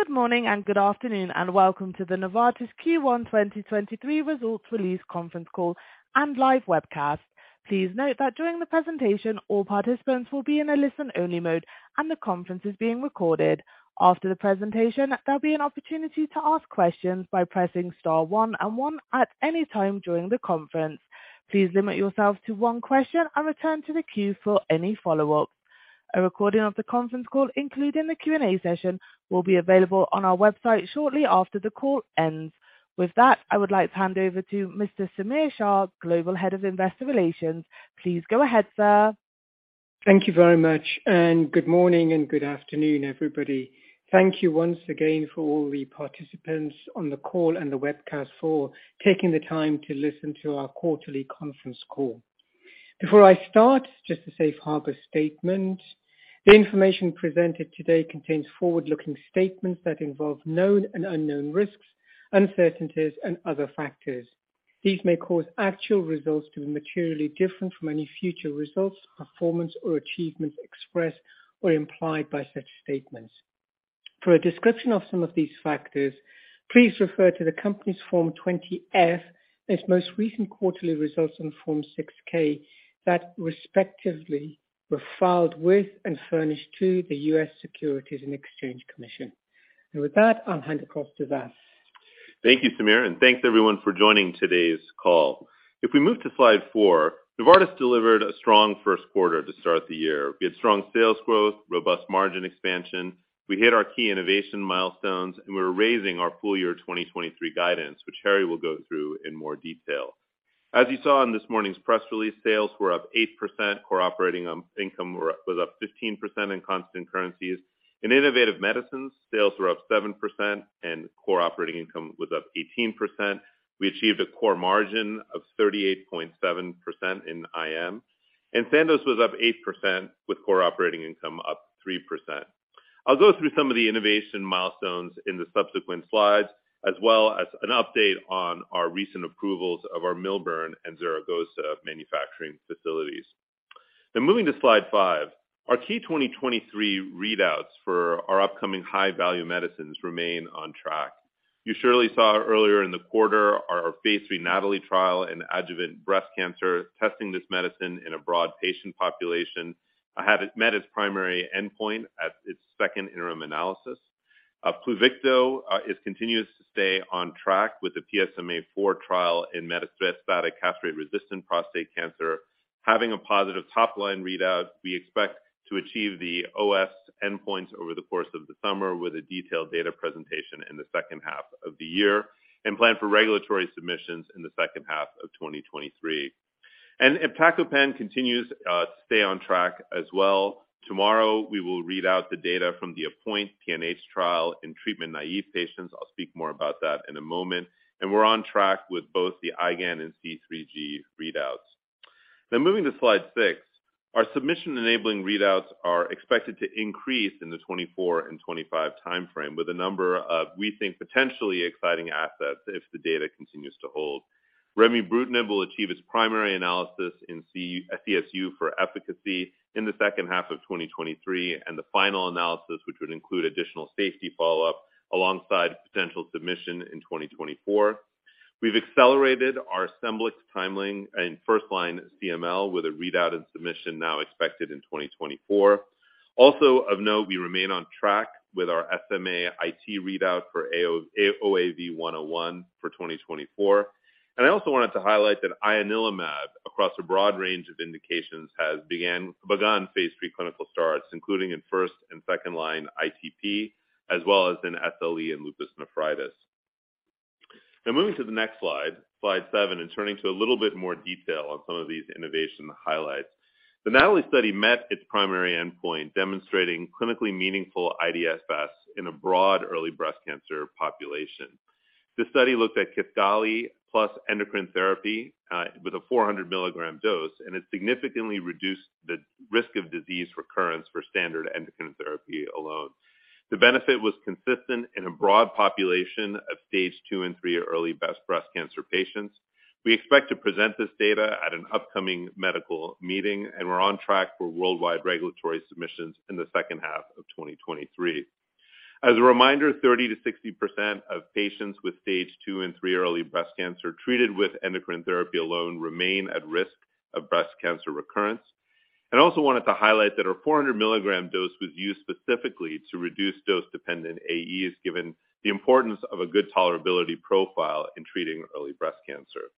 Good morning and good afternoon. Welcome to the Novartis Q1 2023 Results Release Conference Call and Live Webcast. Please note that during the presentation all participants will be in a listen only mode and the conference is being recorded. After the presentation, there'll be an opportunity to ask questions by pressing star one and one at any time during the conference. Please limit yourself to one question and return to the queue for any follow-ups. A recording of the conference call, including the Q&A session, will be available on our website shortly after the call ends. I would like to hand over to Mr. Samir Shah, Global Head of Investor Relations. Please go ahead, sir. Thank you very much, good morning and good afternoon, everybody. Thank you once again for all the participants on the call and the webcast for taking the time to listen to our quarterly conference call. Before I start, just a safe harbor statement. The information presented today contains forward-looking statements that involve known and unknown risks, uncertainties and other factors. These may cause actual results to be materially different from any future results, performance or achievements expressed or implied by such statements. For a description of some of these factors, please refer to the company's Form 20-F, its most recent quarterly results on Form 6-K that respectively were filed with and furnished to the U.S. Securities and Exchange Commission. With that, I'll hand across to Vas. Thank you, Samir, thanks everyone for joining today's call. If we move to slide four, Novartis delivered a strong Q1 to start the year. We had strong sales growth, robust margin expansion. We hit our key innovation milestones, we're raising our full year 2023 guidance, which Harry will go through in more detail. As you saw in this morning's press release, sales were up 8%. Core operating income was up 15% in constant currencies. In innovative medicines, sales were up 7% and core operating income was up 18%. We achieved a core margin of 38.7% in IM, Sandoz was up 8% with core operating income up 3%. I'll go through some of the innovation milestones in the subsequent slides, as well as an update on our recent approvals of our Millburn and Zaragoza manufacturing facilities. Moving to slide five. Our key 2023 readouts for our upcoming high-value medicines remain on track. You surely saw earlier in the quarter our Phase III NATALEE trial in adjuvant breast cancer, testing this medicine in a broad patient population. Had it met its primary endpoint at its second interim analysis. Pluvicto is continuous to stay on track with the PSMAfore trial in metastatic castrate-resistant prostate cancer. Having a positive top line readout, we expect to achieve the OS endpoints over the course of the summer with a detailed data presentation in the second half of the year and plan for regulatory submissions in the second half of 2023. iptacopan continues to stay on track as well. Tomorrow we will read out the data from the APPOINT-PNH trial in treatment-naive patients. I'll speak more about that in a moment. We're on track with both the IgAN and C3G readouts. Moving to slide six. Our submission-enabling readouts are expected to increase in the 2024 and 2025 timeframe with a number of, we think, potentially exciting assets if the data continues to hold. Remibrutinib will achieve its primary analysis in CSU for efficacy in the second half of 2023, and the final analysis, which would include additional safety follow-up alongside potential submission in 2024. We've accelerated our Scemblix timeline in first line CML with a readout and submission now expected in 2024. Also of note, we remain on track with our SMA-IT readout for OAV-101 for 2024. I also wanted to highlight that ianalimab, across a broad range of indications, has begun Phase III clinical starts, including in first and second line ITP as well as in SLE and lupus nephritis. Moving to the next slide seven, and turning to a little bit more detail on some of these innovation highlights. The NATALEE study met its primary endpoint, demonstrating clinically meaningful iDFS in a broad early breast cancer population. This study looked at KISQALI plus endocrine therapy, with a 400 mg dose, and it significantly reduced the risk of disease recurrence for standard endocrine therapy alone. The benefit was consistent in a broad population of stage 2 and 3 early breast cancer patients. We expect to present this data at an upcoming medical meeting, and we're on track for worldwide regulatory submissions in the second half of 2023. As a reminder, 30%-60% of patients with stage 2 and 3 early breast cancer treated with endocrine therapy alone remain at risk of breast cancer recurrence. I also wanted to highlight that our 400 milligram dose was used specifically to reduce dose-dependent AEs, given the importance of a good tolerability profile in treating early breast cancer.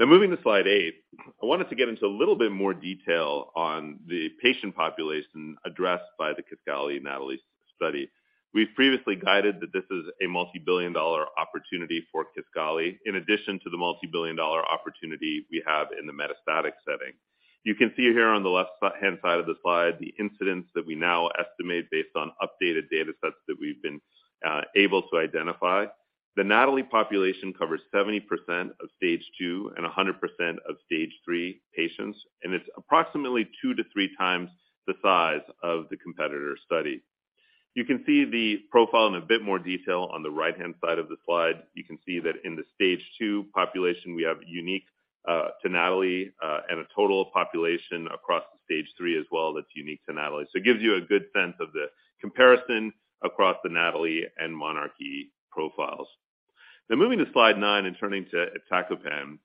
Moving to slide eight, I wanted to get into a little bit more detail on the patient population addressed by the KISQALI-NATALEE study. We've previously guided that this is a multi-billion dollar opportunity for KISQALI in addition to the multi-billion dollar opportunity we have in the metastatic setting. You can see here on the left hand side of the slide the incidence that we now estimate based on updated data sets that we've been able to identify. The NATALEE population covers 70% of stage 2 and 100% of stage 3 patients, it's approximately 2 to 3 times the size of the competitor study. You can see the profile in a bit more detail on the right-hand side of the slide. You can see that in the stage 2 population we have unique to NATALEE, and a total population across the stage 3 as well that's unique to NATALEE. It gives you a good sense of the comparison across the NATALEE and monarchE profiles. Moving to slide nine and turning to iptacopan.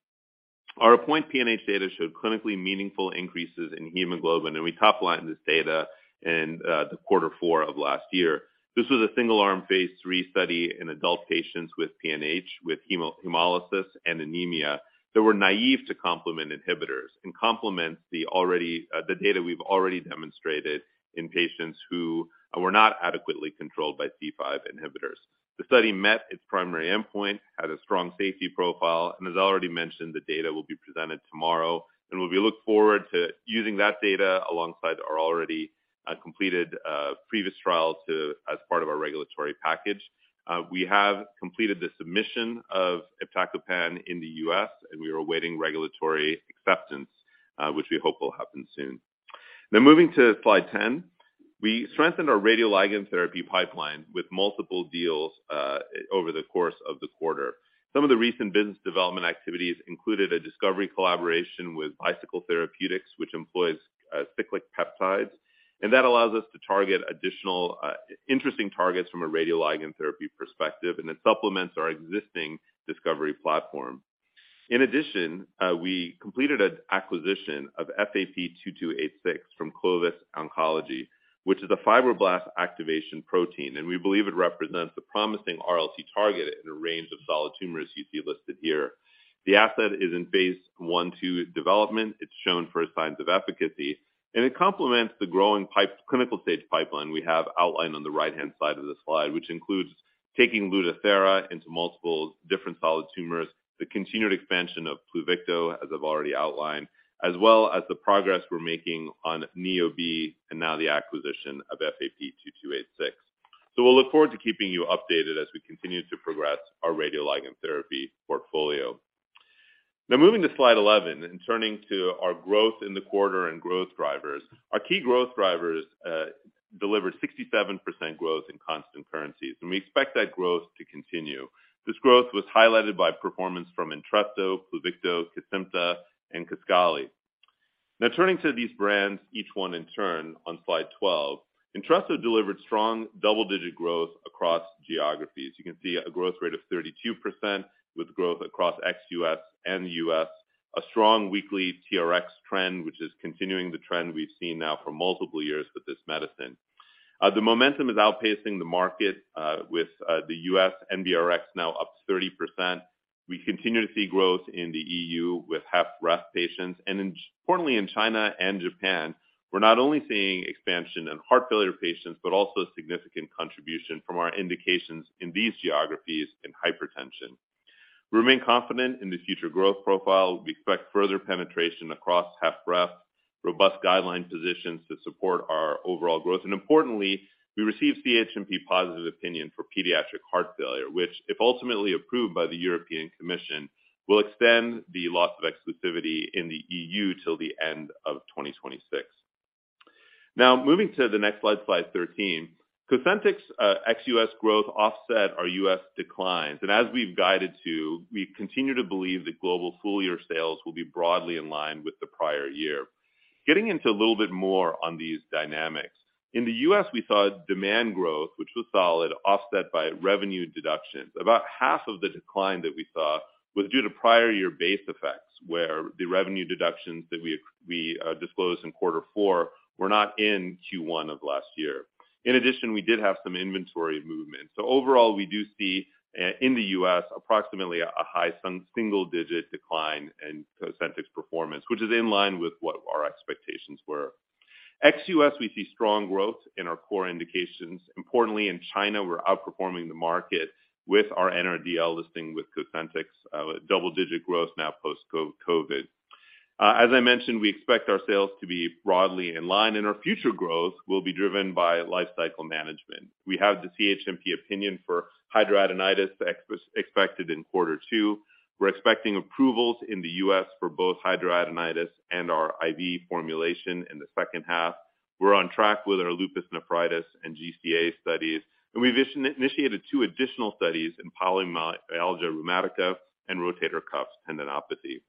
Our APPOINT-PNH data showed clinically meaningful increases in hemoglobin, we top-lined this data in the quarter four of last year. This was a single-arm Phase III study in adult patients with PNH with hemolysis and anemia that were naive to complement inhibitors and complements the data we've already demonstrated in patients who were not adequately controlled by C5 inhibitors. The study met its primary endpoint, had a strong safety profile, as already mentioned, the data will be presented tomorrow, and we look forward to using that data alongside our already completed previous trial as part of our regulatory package. We have completed the submission of iptacopan in the U.S., and we are awaiting regulatory acceptance, which we hope will happen soon. Moving to slide 10. We strengthened our radioligand therapy pipeline with multiple deals over the course of the quarter. Some of the recent business development activities included a discovery collaboration with Bicycle Therapeutics, which employs cyclic peptides, and that allows us to target additional interesting targets from a radioligand therapy perspective and it supplements our existing discovery platform. In addition, we completed an acquisition of FAP-2286 from Clovis Oncology, which is a fibroblast activation protein, and we believe it represents a promising RLT target in a range of solid tumors you see listed here. The asset is in Phase I, II development. It's shown for signs of efficacy. It complements the growing clinical stage pipeline we have outlined on the right-hand side of the slide, which includes taking Lutathera into multiple different solid tumors, the continued expansion of Pluvicto, as I've already outlined, as well as the progress we're making on NeoB and now the acquisition of FAP-2286. We'll look forward to keeping you updated as we continue to progress our radioligand therapy portfolio. Moving to slide 11 and turning to our growth in the quarter and growth drivers. Our key growth drivers delivered 67% growth in constant currencies. We expect that growth to continue. This growth was highlighted by performance from Entresto, Pluvicto, Kesimpta, and KISQALI. Turning to these brands, each one in turn on slide 12. Entresto delivered strong double-digit growth across geographies. You can see a growth rate of 32% with growth across ex-U.S. and the U.S., a strong weekly TRX trend, which is continuing the trend we've seen now for multiple years with this medicine. The momentum is outpacing the market with the U.S. NBRX now up 30%. We continue to see growth in the EU with HFrEF patients. Importantly in China and Japan, we're not only seeing expansion in heart failure patients, but also a significant contribution from our indications in these geographies in hypertension. We remain confident in the future growth profile. We expect further penetration across HFrEF, robust guideline positions to support our overall growth, and importantly, we received CHMP positive opinion for pediatric heart failure, which, if ultimately approved by the European Commission, will extend the loss of exclusivity in the EU till the end of 2026. Now moving to the next slide 13. Cosentyx, ex-U.S. growth offset our U.S. declines. As we've guided to, we continue to believe that global full-year sales will be broadly in line with the prior year. Getting into a little bit more on these dynamics. In the U.S., we saw demand growth, which was solid, offset by revenue deductions. About half of the decline that we saw was due to prior year base effects, where the revenue deductions that we disclosed in quarter four were not in Q1 of last year. In addition, we did have some inventory movement. Overall, we do see in the U.S. approximately a high single-digit decline in Cosentyx performance, which is in line with what our expectations were. Ex-U.S., we see strong growth in our core indications. Importantly, in China, we're outperforming the market with our NRDL listing with Cosentyx, double-digit growth now post-COVID. As I mentioned, we expect our sales to be broadly in line and our future growth will be driven by lifecycle management. We have the CHMP opinion for hidradenitis expected in quarter two. We're expecting approvals in the U.S. for both hidradenitis and our IV formulation in the second half. We're on track with our lupus nephritis and GCA studies, and we've initiated two additional studies in polymyalgia rheumatica and rotator cuff tendinopathy.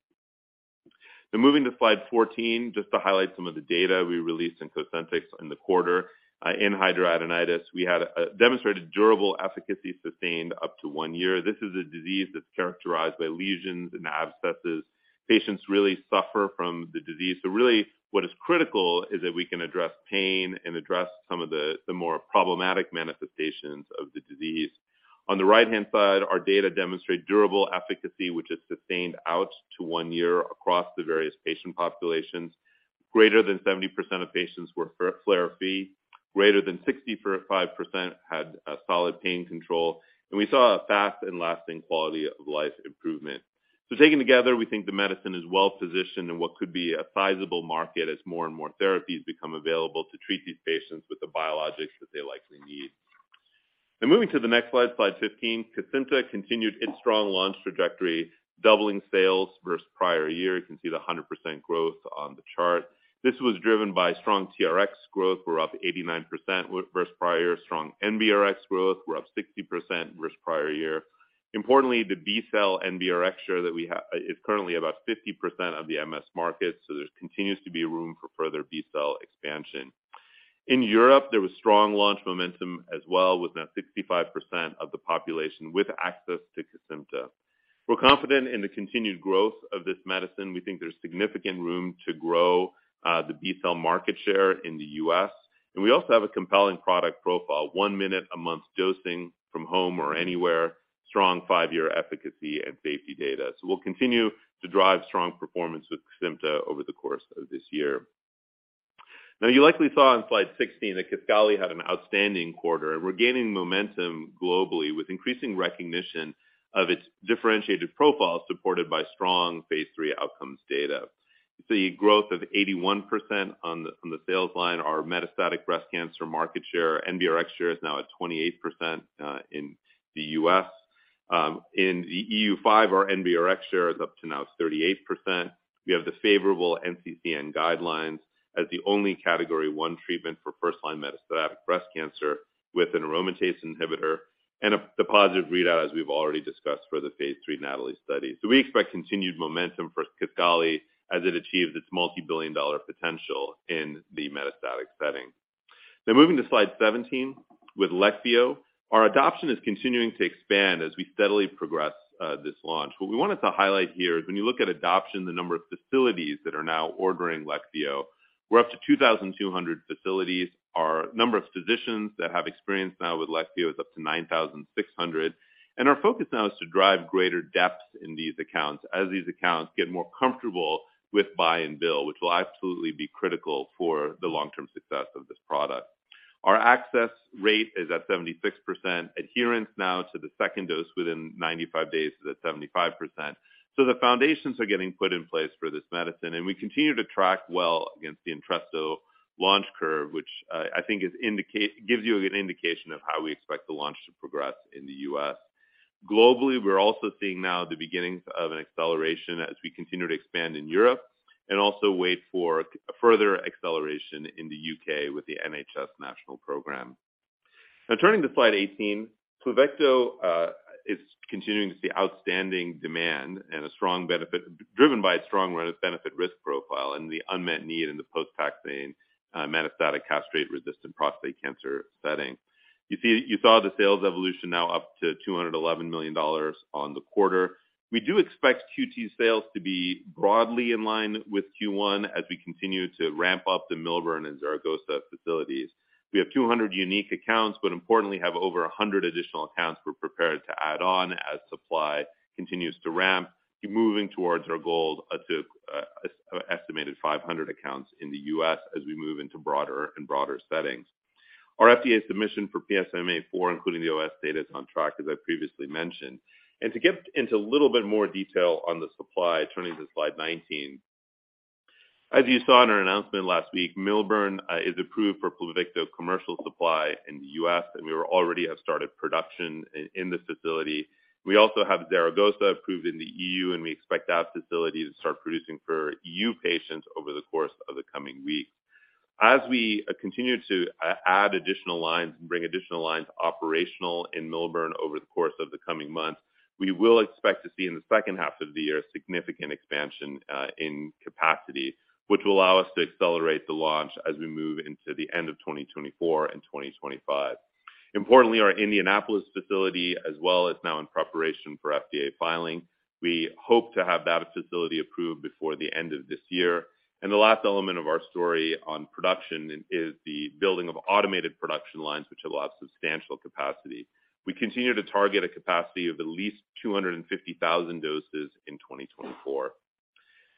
Now moving to slide 14, just to highlight some of the data we released in Cosentyx in the quarter. In hidradenitis, we had demonstrated durable efficacy sustained up to one year. This is a disease that's characterized by lesions and abscesses. Patients really suffer from the disease. Really what is critical is that we can address pain and address some of the more problematic manifestations of the disease. On the right-hand side, our data demonstrate durable efficacy, which is sustained out to 1 year across the various patient populations. Greater than 70% of patients were flare fee, greater than 65% had solid pain control, and we saw a fast and lasting quality of life improvement. Taken together, we think the medicine is well-positioned in what could be a sizable market as more and more therapies become available to treat these patients with the biologics that they likely need. Moving to the next slide 15. Kesimpta continued its strong launch trajectory, doubling sales versus prior year. You can see the 100% growth on the chart. This was driven by strong TRX growth. We're up 89% versus prior year. Strong NBRX growth. We're up 60% versus prior year. Importantly, the B-cell NBRX share that we have, is currently about 50% of the MS market, so there continues to be room for further B-cell expansion. In Europe, there was strong launch momentum as well, with now 65% of the population with access to Kesimpta. We're confident in the continued growth of this medicine. We think there's significant room to grow, the B-cell market share in the U.S. We also have a compelling product profile, 1 minute a month dosing from home or anywhere, strong 5-year efficacy and safety data. We'll continue to drive strong performance with Kesimpta over the course of this year. You likely saw on slide 16 that KISQALI had an outstanding quarter, and we're gaining momentum globally with increasing recognition of its differentiated profile supported by strong Phase III outcomes data. You see growth of 81% on the sales line, our metastatic breast cancer market share NBRX share is now at 28% in the U.S. In the EU5, our NBRX share is up to now 38%. We have the favorable NCCN guidelines as the only category 1 treatment for first line metastatic breast cancer with an aromatase inhibitor and a positive readout, as we've already discussed for the Phase III NATALEE study. We expect continued momentum for KISQALI as it achieves its multi-billion-dollar potential in the metastatic setting. Moving to slide 17, with Leqvio, our adoption is continuing to expand as we steadily progress this launch. What we wanted to highlight here is when you look at adoption, the number of facilities that are now ordering Leqvio, we're up to 2,200 facilities. Our number of physicians that have experience now with Leqvio is up to 9,600. Our focus now is to drive greater depth in these accounts as these accounts get more comfortable with buy and bill, which will absolutely be critical for the long-term success of this product. Our access rate is at 76%. Adherence now to the second dose within 95 days is at 75%. The foundations are getting put in place for this medicine, and we continue to track well against the Entresto launch curve, which I think gives you a good indication of how we expect the launch to progress in the U.S. Globally, we're also seeing now the beginnings of an acceleration as we continue to expand in Europe and also wait for a further acceleration in the UK with the NHS national program. Turning to slide 18, Pluvicto is continuing to see outstanding demand driven by a strong benefit risk profile and the unmet need in the post-taxane metastatic castrate-resistant prostate cancer setting. You saw the sales evolution now up to $211 million on the quarter. We do expect Q2 sales to be broadly in line with Q1 as we continue to ramp up the Millburn and Zaragoza facilities. We have 200 unique accounts, but importantly, have over 100 additional accounts we're prepared to add on as supply continues to ramp, keep moving towards our goal to estimated 500 accounts in the U.S. as we move into broader and broader settings. Our FDA submission for PSMAfore, including the OS data is on track, as I previously mentioned. To get into a little bit more detail on the supply, turning to slide 19. As you saw in our announcement last week, Millburn is approved for Pluvicto commercial supply in the U.S., and we were already have started production in this facility. We also have Zaragoza approved in the EU, and we expect that facility to start producing for EU patients over the course of the coming weeks. As we continue to add additional lines and bring additional lines operational in Millburn over the course of the coming months, we will expect to see in the second half of the year, significant expansion in capacity, which will allow us to accelerate the launch as we move into the end of 2024 and 2025. Importantly, our Indianapolis facility, as well, is now in preparation for FDA filing. We hope to have that facility approved before the end of this year. The last element of our story on production is the building of automated production lines, which allow substantial capacity. We continue to target a capacity of at least 250,000 doses in 2024.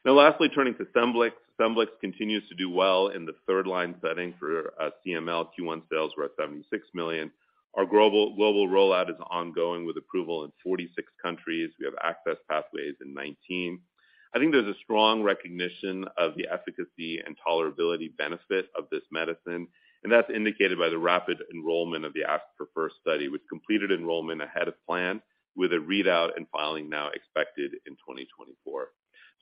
Lastly, turning to Scemblix. Scemblix continues to do well in the third line setting for CML Q1 sales. We're at $76 million. Our global rollout is ongoing with approval in 46 countries. We have access pathways in 19. I think there's a strong recognition of the efficacy and tolerability benefit of this medicine, and that's indicated by the rapid enrollment of the ASC4FIRST study, with completed enrollment ahead of plan, with a readout and filing now expected in 2024.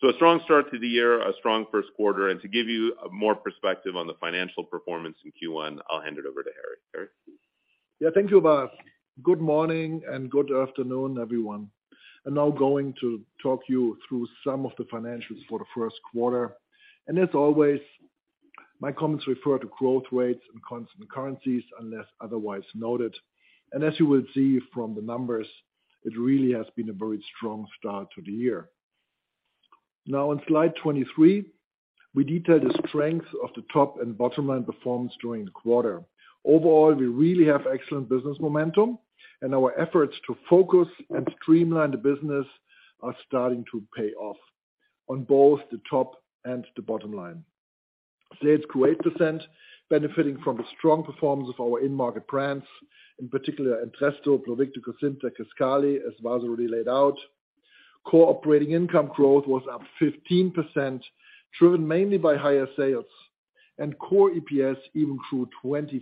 A strong start to the year, a strong Q1. To give you more perspective on the financial performance in Q1, I'll hand it over to Harry. Harry? Yeah. Thank you, Vas. Good morning and good afternoon, everyone. I'm now going to talk you through some of the financials for the Q1. As always, my comments refer to growth rates and constant currencies unless otherwise noted. As you will see from the numbers, it really has been a very strong start to the year. Now on slide 23, we detail the strength of the top and bottom line performance during the quarter. Overall, we really have excellent business momentum, and our efforts to focus and streamline the business are starting to pay off on both the top and the bottom line. Sales grew 8%, benefiting from the strong performance of our end market brands, in particular Entresto, Pluvicto, Kesimpta, KISQALI, as Vas already laid out. core operating income growth was up 15%, driven mainly by higher sales. core EPS even grew 25%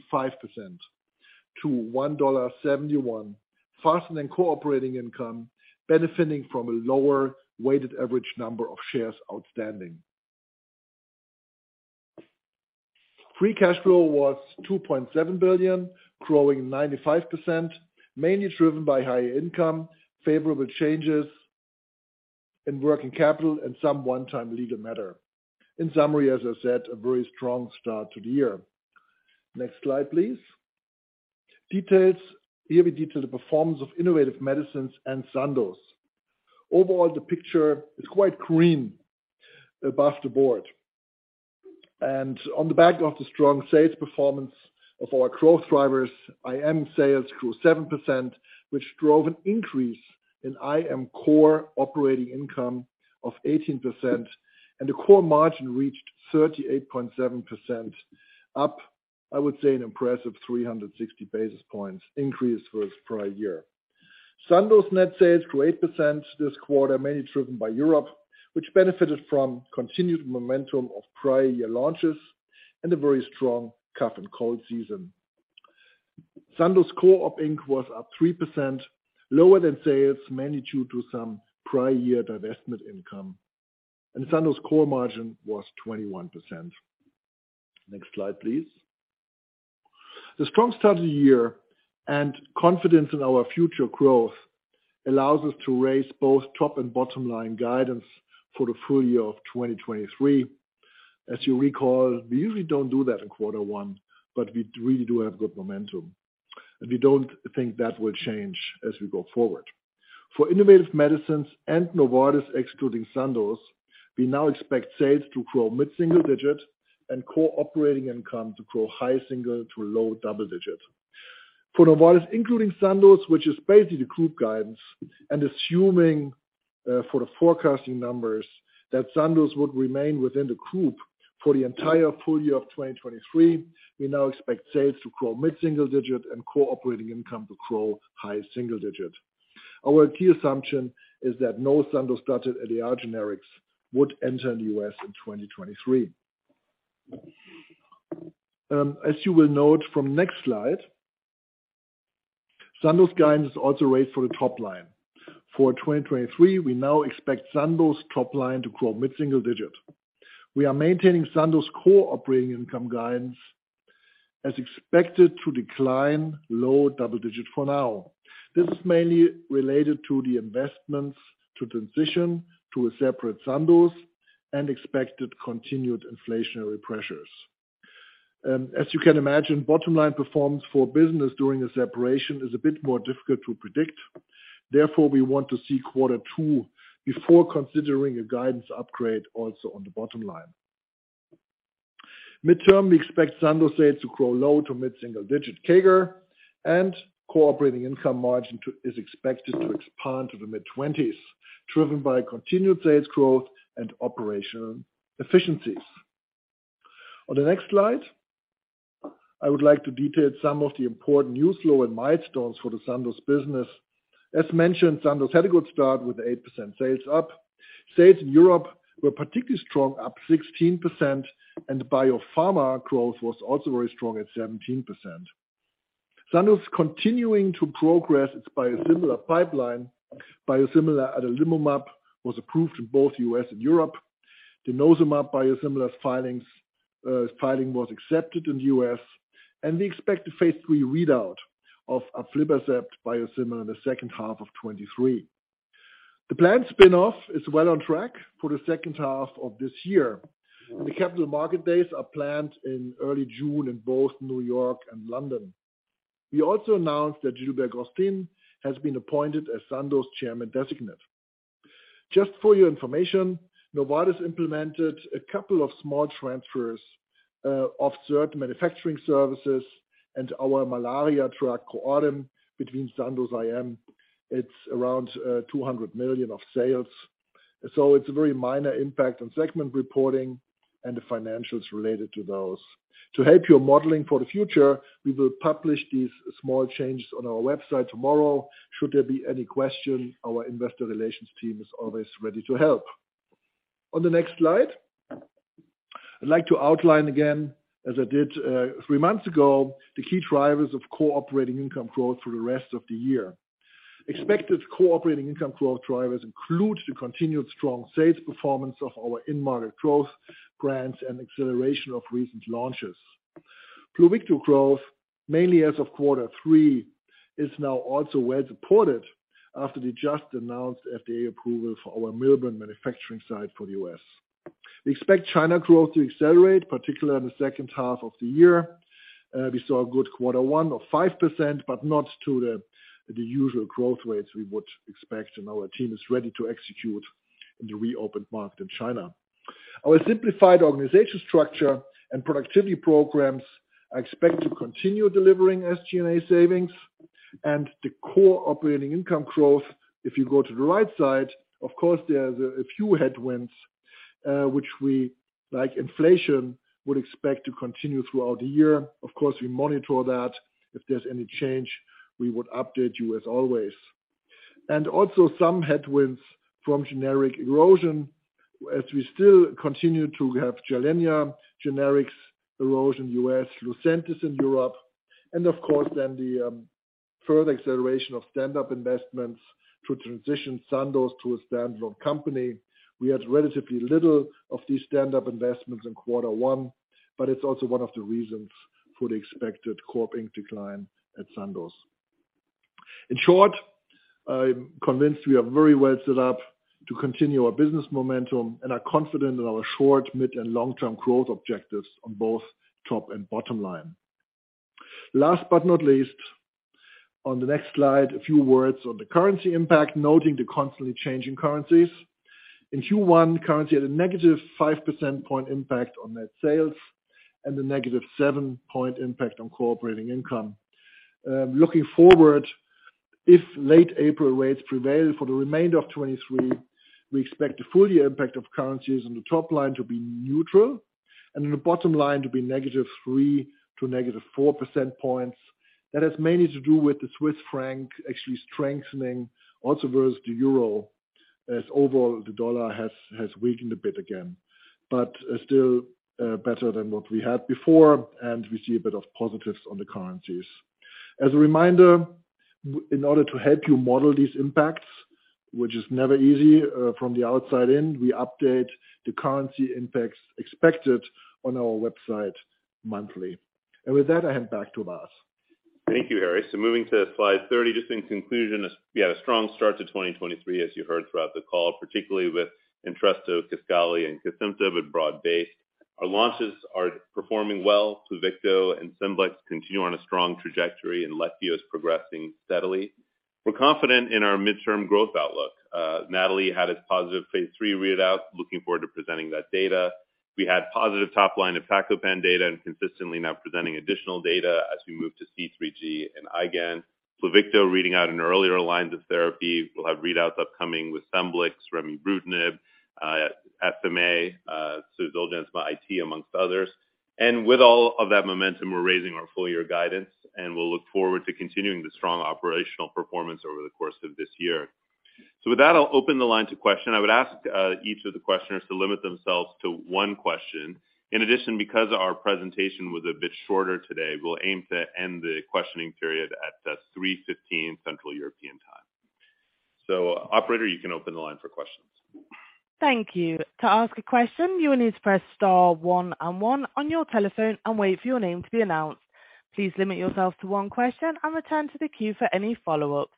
to $1.71 faster than core Operating Income, benefiting from a lower weighted average number of shares outstanding. Free cash flow was $2.7 billion, growing 95%, mainly driven by higher income, favorable changes in working capital and some one-time legal matter. In summary, as I said, a very strong start to the year. Next slide, please. Details. Here we detail the performance of Innovative Medicines and Sandoz. Overall, the picture is quite green above the board. On the back of the strong sales performance of our growth drivers, IM sales grew 7%, which drove an increase in IM core Operating Income of 18%, and the core margin reached 38.7%, up, I would say, an impressive 360 basis points increase versus prior year. Sandoz net sales grew 8% this quarter, mainly driven by Europe, which benefited from continued momentum of prior year launches and a very strong cough and cold season. Sandoz core OpInc was up 3%, lower than sales, mainly due to some prior year divestment income. Sandoz core margin was 21%. Next slide, please. The strong start to the year and confidence in our future growth allows us to raise both top and bottom line guidance for the full year of 2023. As you recall, we usually don't do that in quarter one, but we really do have good momentum, and we don't think that will change as we go forward. For innovative medicines and Novartis excluding Sandoz, we now expect sales to grow mid-single digit and core operating income to grow high single to low double digit. Assuming for the forecasting numbers that Sandoz would remain within the group for the entire full year of 2023, we now expect sales to grow mid-single digit and core Operating Income to grow high single digit. Our key assumption is that no Sandoz-started Advair generics would enter the U.S. in 2023. As you will note from next slide, Sandoz guidance is also raised for the top line. For 2023, we now expect Sandoz top line to grow mid-single digit. We are maintaining Sandoz core Operating Income guidance as expected to decline low double digit for now. This is mainly related to the investments to transition to a separate Sandoz and expected continued inflationary pressures. As you can imagine, bottom line performance for business during a separation is a bit more difficult to predict. Therefore, we want to see quarter two before considering a guidance upgrade also on the bottom line. Midterm, we expect Sandoz sales to grow low to mid-single digit CAGR, and core operating income margin is expected to expand to the mid-twenties, driven by continued sales growth and operational efficiencies. On the next slide, I would like to detail some of the important news flow and milestones for the Sandoz business. As mentioned, Sandoz had a good start with 8% sales up. Sales in Europe were particularly strong, up 16%, and the biopharma growth was also very strong at 17%. Sandoz continuing to progress its biosimilar pipeline. Biosimilar adalimumab was approved in both U.S. and Europe. Denosumab biosimilars filings, filing was accepted in the U.S., and we expect a Phase III readout of aflibercept biosimilar in the second half of 2023. The planned spin-off is well on track for the second half of this year. The capital market days are planned in early June in both New York and London. We also announced that Gilbert Ghostine has been appointed as Sandoz Chairman-Designate. Just for your information, Novartis implemented a couple of small transfers of certain manufacturing services and our malaria drug Coartem between Sandoz IM. It's around $200 million of sales. It's a very minor impact on segment reporting and the financials related to those. To help your modeling for the future, we will publish these small changes on our website tomorrow. Should there be any question, our investor relations team is always ready to help. On the next slide, I'd like to outline again, as I did, three months ago, the key drivers of core operating income growth for the rest of the year. Expected core operating income growth drivers include the continued strong sales performance of our in-market growth brands and acceleration of recent launches. Pluvicto growth, mainly as of quarter three, is now also well supported after the just announced FDA approval for our Millburn manufacturing site for the U.S. We expect China growth to accelerate, particularly in the second half of the year. We saw a good quarter one of 5%, but not to the usual growth rates we would expect. Our team is ready to execute in the reopened market in China. Our simplified organizational structure and productivity programs are expected to continue delivering SG&A savings and the core operating income growth. If you go to the right side, of course, there's a few headwinds, which we, like inflation, would expect to continue throughout the year. Of course, we monitor that. If there's any change, we would update you as always. Also some headwinds from generic erosion as we still continue to have Gilenya generics erosion U.S., Lucentis in Europe, and of course then the further acceleration of stand-up investments to transition Sandoz to a standalone company. We had relatively little of these stand-up investments in quarter one, it's also one of the reasons for the expected core OpInc decline at Sandoz. In short, I'm convinced we are very well set up to continue our business momentum and are confident in our short, mid, and long-term growth objectives on both top and bottom line. Last but not least, on the next slide, a few words on the currency impact, noting the constantly changing currencies. In Q1, currency had a negative 5 percentage point impact on net sales and a negative 7-point impact on operating income. Looking forward, if late April rates prevail for the remainder of 2023, we expect the full year impact of currencies on the top line to be neutral and on the bottom line to be -3 to -4 percentage points. That has mainly to do with the Swiss franc actually strengthening also versus the euro, as overall the dollar has weakened a bit again. Still, better than what we had before, and we see a bit of positives on the currencies. As a reminder, in order to help you model these impacts, which is never easy from the outside in, we update the currency impacts expected on our website monthly. With that, I hand back to Vas. Thank you, Harry. Moving to slide 30, just in conclusion, as we had a strong start to 2023, as you heard throughout the call, particularly with Entresto, KISQALI, and Cosentyx, with broad base. Our launches are performing well. Pluvicto and Scemblix continue on a strong trajectory, and Leqvio is progressing steadily. We're confident in our midterm growth outlook. NATALEE had its positive Phase III readout. Looking forward to presenting that data. We had positive top line iptacopan data and consistently now presenting additional data as we move to C3G and IgAN. Pluvicto reading out in earlier lines of therapy. We'll have readouts upcoming with Scemblix, remibrutinib, SMA, Cosentyx, amongst others. With all of that momentum, we're raising our full year guidance, and we'll look forward to continuing the strong operational performance over the course of this year. With that, I'll open the line to question. I would ask each of the questioners to limit themselves to one question. In addition, because our presentation was a bit shorter today, we'll aim to end the questioning period at 3:15 P.M. Central European Time. Operator, you can open the line for questions. Thank you. To ask a question, you will need to press star one and one on your telephone and wait for your name to be announced. Please limit yourself to one question and return to the queue for any follow-up.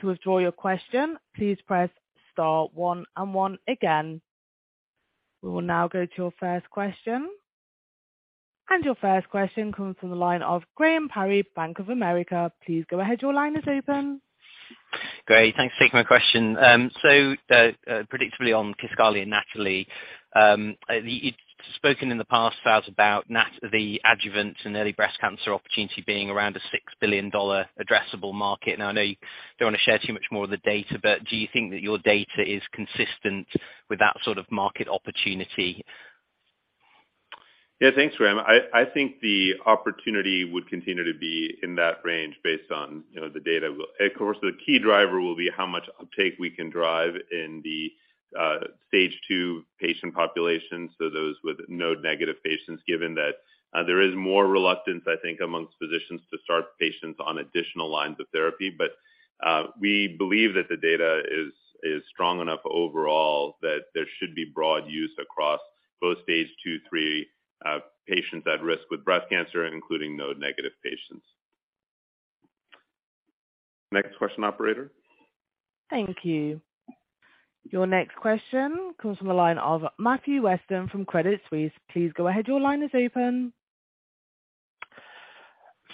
To withdraw your question, please press star one and one again. We will now go to your first question. Your first question comes from the line of Graham Parry, Bank of America. Please go ahead. Your line is open. Great. Thanks for taking my question. Predictably on KISQALI and NATALEE, you'd spoken in the past, Vas, about the adjuvant and early breast cancer opportunity being around a $6 billion addressable market. I know you don't want to share too much more of the data, but do you think that your data is consistent with that sort of market opportunity? Yeah. Thanks, Graham. I think the opportunity would continue to be in that range based on, you know, the data. Of course, the key driver will be how much uptake we can drive in the stage 2 patient population, so those with node negative patients, given that there is more reluctance, I think, amongst physicians to start patients on additional lines of therapy. We believe that the data is strong enough overall that there should be broad use across both Phase II, III patients at risk with breast cancer, including node negative patients. Next question, operator. Thank you. Your next question comes from the line of Matthew Weston from Credit Suisse. Please go ahead. Your line is open.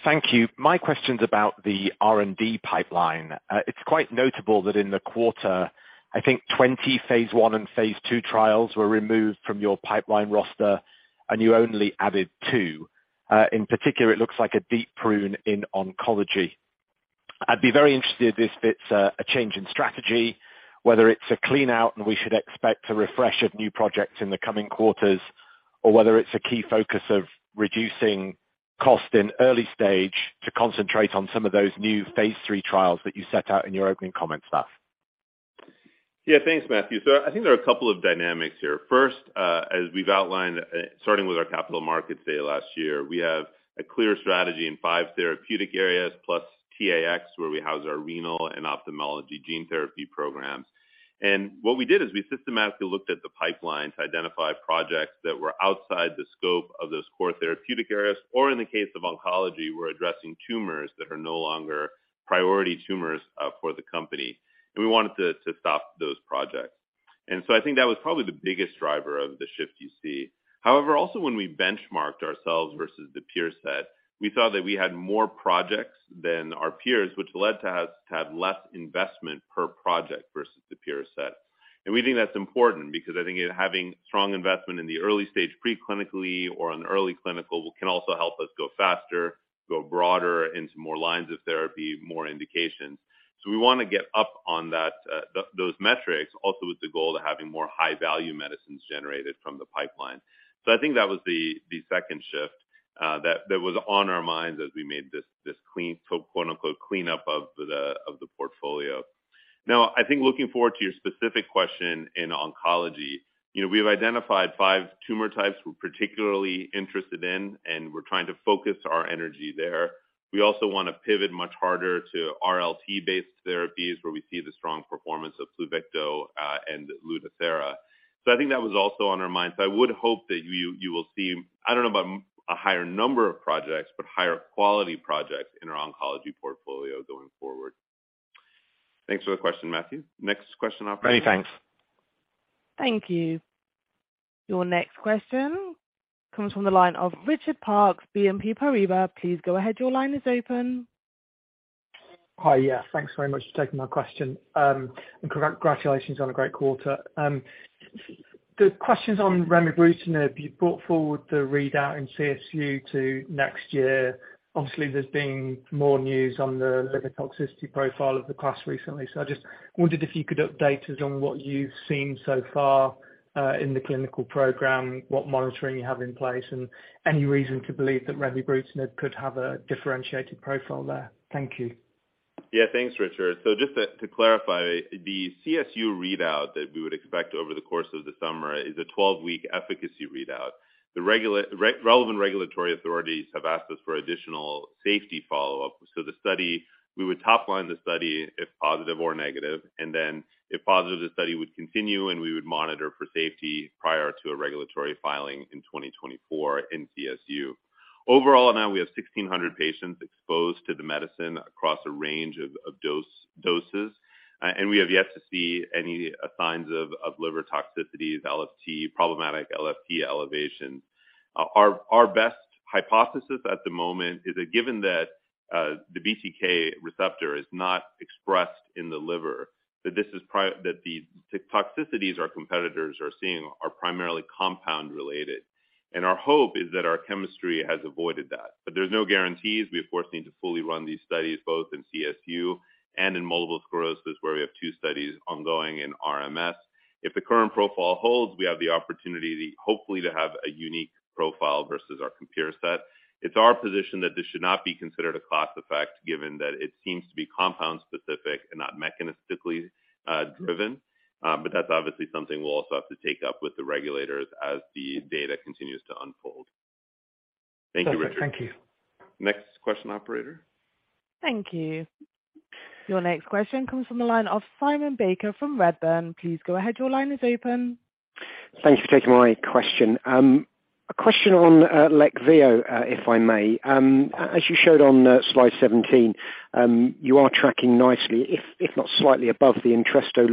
Thank you. My question's about the R&D pipeline. It's quite notable that in the quarter, I think 20 Phase I and Phase II trials were removed from your pipeline roster, and you only added two. In particular, it looks like a deep prune in oncology. I'd be very interested if it's a change in strategy, whether it's a clean out and we should expect a refresh of new projects in the coming quarters, or whether it's a key focus of reducing cost in early stage to concentrate on some of those new Phase III trials that you set out in your opening comments, Vas? Yeah. Thanks, Matthew. I think there are a couple of dynamics here. First, as we've outlined, starting with our Capital Markets Day last year, we have a clear strategy in five therapeutic areas, plus T-Charge, where we house our renal and ophthalmology gene therapy programs. What we did is we systematically looked at the pipeline to identify projects that were outside the scope of those core therapeutic areas, or in the case of oncology, we're addressing tumors that are no longer priority tumors for the company, and we wanted to stop those projects. I think that was probably the biggest driver of the shift you see. However, also when we benchmarked ourselves versus the peer set, we thought that we had more projects than our peers, which led to us to have less investment per project versus the peer set. We think that's important because I think having strong investment in the early stage pre-clinically or in early clinical can also help us go faster, go broader into more lines of therapy, more indications. We wanna get up on that, those metrics also with the goal to having more high-value medicines generated from the pipeline. I think that was the second shift, that was on our minds as we made this clean, quote, unquote, "cleanup" of the, of the portfolio. I think looking forward to your specific question in oncology, you know, we've identified five tumor types we're particularly interested in, and we're trying to focus our energy there. We also wanna pivot much harder to RLT-based therapies where we see the strong performance of Pluvicto, and Lutathera. I think that was also on our minds. I would hope that you will see, I don't know about a higher number of projects, but higher quality projects in our oncology portfolio going forward. Thanks for the question, Matthew. Next question operator. Many thanks. Thank you. Your next question comes from the line of Richard Parkes, BNP Paribas. Please go ahead. Your line is open. Hi. Yeah, thanks very much for taking my question. Congratulations on a great quarter. The questions on remibrutinib, you brought forward the readout in CSU to next year. Obviously, there's been more news on the liver toxicity profile of the class recently. I just wondered if you could update us on what you've seen so far in the clinical program, what monitoring you have in place, and any reason to believe that remibrutinib could have a differentiated profile there. Thank you. Yeah. Thanks, Richard. Just to clarify, the CSU readout that we would expect over the course of the summer is a 12-week efficacy readout. The relevant regulatory authorities have asked us for additional safety follow-up. We would top line the study if positive or negative, and then if positive, the study would continue, and we would monitor for safety prior to a regulatory filing in 2024 in CSU. Overall, now we have 1,600 patients exposed to the medicine across a range of doses, and we have yet to see any signs of liver toxicities, LFT, problematic LFT elevations. Our best hypothesis at the moment is that given that the BTK receptor is not expressed in the liver, that this is that the toxicities our competitors are seeing are primarily compound-related. Our hope is that our chemistry has avoided that. There's no guarantees. We, of course, need to fully run these studies both in CSU and in multiple sclerosis, where we have two studies ongoing in RMS. If the current profile holds, we have the opportunity to hopefully have a unique profile versus our compare set. It's our position that this should not be considered a class effect, given that it seems to be compound specific and not mechanistically driven. That's obviously something we'll also have to take up with the regulators as the data continues to unfold. Thank you, Richard. Perfect. Thank you. Next question, operator. Thank you. Your next question comes from the line of Simon Baker from Redburn. Please go ahead. Your line is open. Thanks for taking my question. A question on Leqvio, if I may. As you showed on slide 17, you are tracking nicely, if not slightly above the Entresto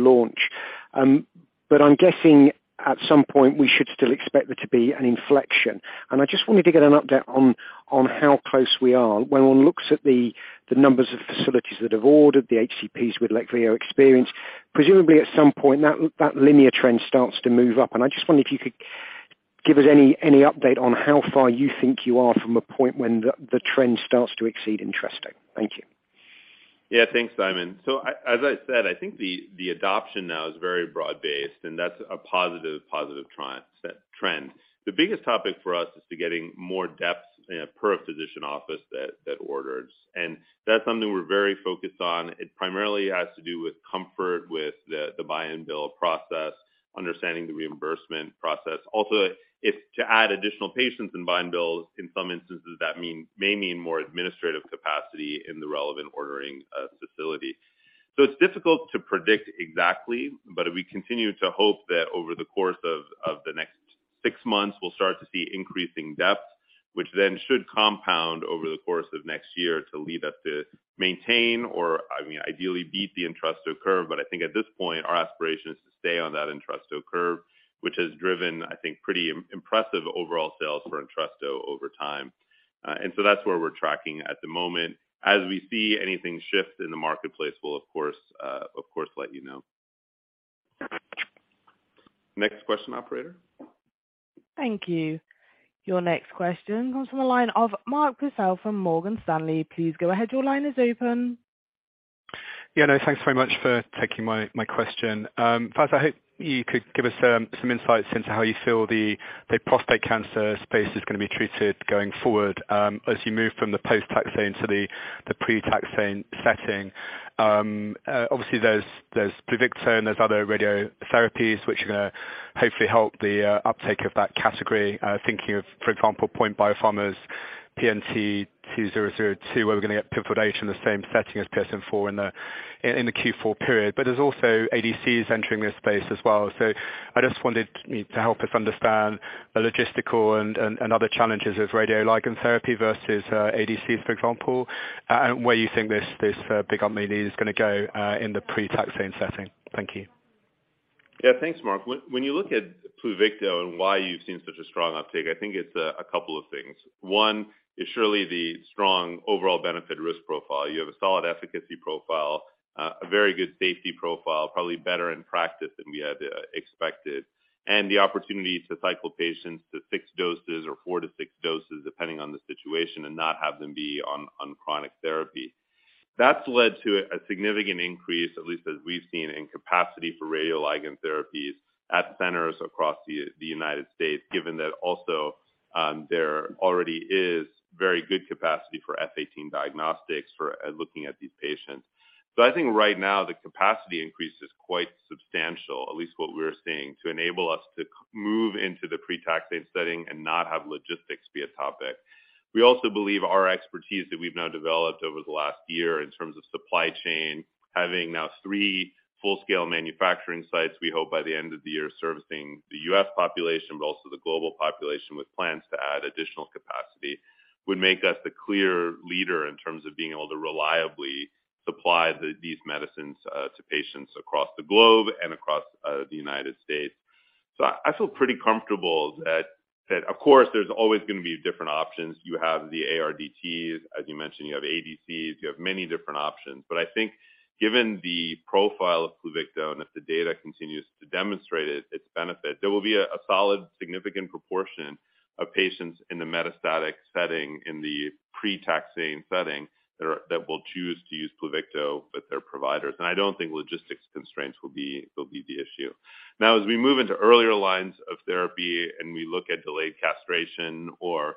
launch. I'm guessing at some point we should still expect there to be an inflection. I just wanted to get an update on how close we are. When one looks at the numbers of facilities that have ordered the HCPs with Leqvio experience, presumably at some point that linear trend starts to move up. I just wonder if you could give us any update on how far you think you are from a point when the trend starts to exceed Entresto. Thank you. Yeah. Thanks, Simon. As I said, I think the adoption now is very broad-based, and that's a positive trend. The biggest topic for us is to getting more depth per physician office that orders, and that's something we're very focused on. It primarily has to do with comfort with the buy and bill process, understanding the reimbursement process. Also, if to add additional patients in buy and bills, in some instances, that may mean more administrative capacity in the relevant ordering facility. It's difficult to predict exactly, but we continue to hope that over the course of the next six months, we'll start to see increasing depth, which then should compound over the course of next year to lead us to maintain or, I mean, ideally beat the Entresto curve. I think at this point, our aspiration is to stay on that Entresto curve, which has driven, I think, pretty impressive overall sales for Entresto over time. So that's where we're tracking at the moment. As we see anything shift in the marketplace, we'll of course, of course, let you know. Next question, operator. Thank you. Your next question comes from the line of Mark Purcell from Morgan Stanley. Please go ahead. Your line is open. Yeah. No, thanks very much for taking my question. First, I hope you could give us some insights into how you feel the prostate cancer space is going to be treated going forward, as you move from the post-taxane to the pre-taxane setting. Obviously, there's Pluvicto and there's other radiotherapies which are going to hopefully help the uptake of that category. Thinking of, for example, POINT Biopharma's PNT2002, where we're going to get pivotal data in the same setting as PSMAfore in the Q4 period. There's also ADCs entering this space as well. I just wanted you to help us understand the logistical and other challenges of radioligand therapy versus ADCs, for example, and where you think this big opportunity is going to go in the pre-taxane setting. Thank you. Thanks, Mark. When you look at Pluvicto and why you've seen such a strong uptake, I think it's a couple of things. One is surely the strong overall benefit risk profile. You have a solid efficacy profile, a very good safety profile, probably better in practice than we had expected, and the opportunity to cycle patients to 6 doses or 4-6 doses, depending on the situation, and not have them be on chronic therapy. That's led to a significant increase, at least as we've seen, in capacity for radioligand therapies at centers across the United States, given that also, there already is very good capacity for F-18 diagnostics for looking at these patients. I think right now the capacity increase is quite substantial, at least what we're seeing, to enable us to move into the pre-taxane setting and not have logistics be a topic. We also believe our expertise that we've now developed over the last year in terms of supply chain, having now three full-scale manufacturing sites, we hope by the end of the year servicing the U.S. population, but also the global population with plans to add additional capacity, would make us the clear leader in terms of being able to reliably supply these medicines to patients across the globe and across the United States. I feel pretty comfortable that of course, there's always gonna be different options. You have the ARDTs, as you mentioned, you have ADCs, you have many different options. I think given the profile of Pluvicto and if the data continues to demonstrate its benefit, there will be a solid significant proportion of patients in the metastatic setting, in the pre-taxane setting that will choose to use Pluvicto with their providers. I don't think logistics constraints will be the issue. As we move into earlier lines of therapy, and we look at delayed castration or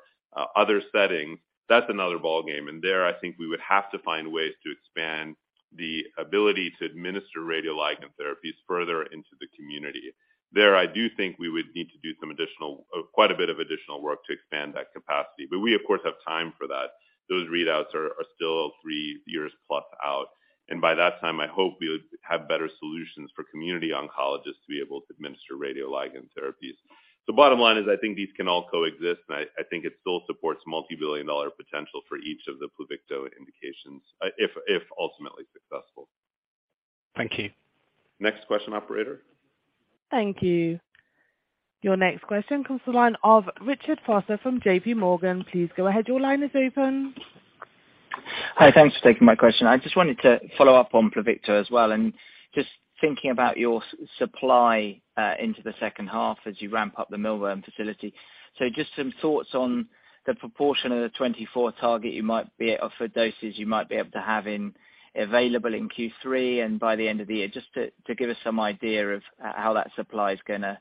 other settings, that's another ballgame. There, I think we would have to find ways to expand the ability to administer radioligand therapies further into the community. There, I do think we would need to do some additional quite a bit of additional work to expand that capacity. We, of course, have time for that. Those readouts are still 3+ years out. By that time, I hope we would have better solutions for community oncologists to be able to administer radioligand therapies. Bottom line is, I think these can all coexist, and I think it still supports multibillion-dollar potential for each of the Pluvicto indications, if ultimately successful. Thank you. Next question, operator. Thank you. Your next question comes the line of Richard Vosser from J.P. Morgan. Please go ahead. Your line is open. Hi. Thanks for taking my question. I just wanted to follow up on Pluvicto as well, and just thinking about your supply into the second half as you ramp up the Millburn facility. Just some thoughts on the proportion of the 24 target or for doses you might be able to have in available in Q3 and by the end of the year, just to give us some idea of how that supply is gonna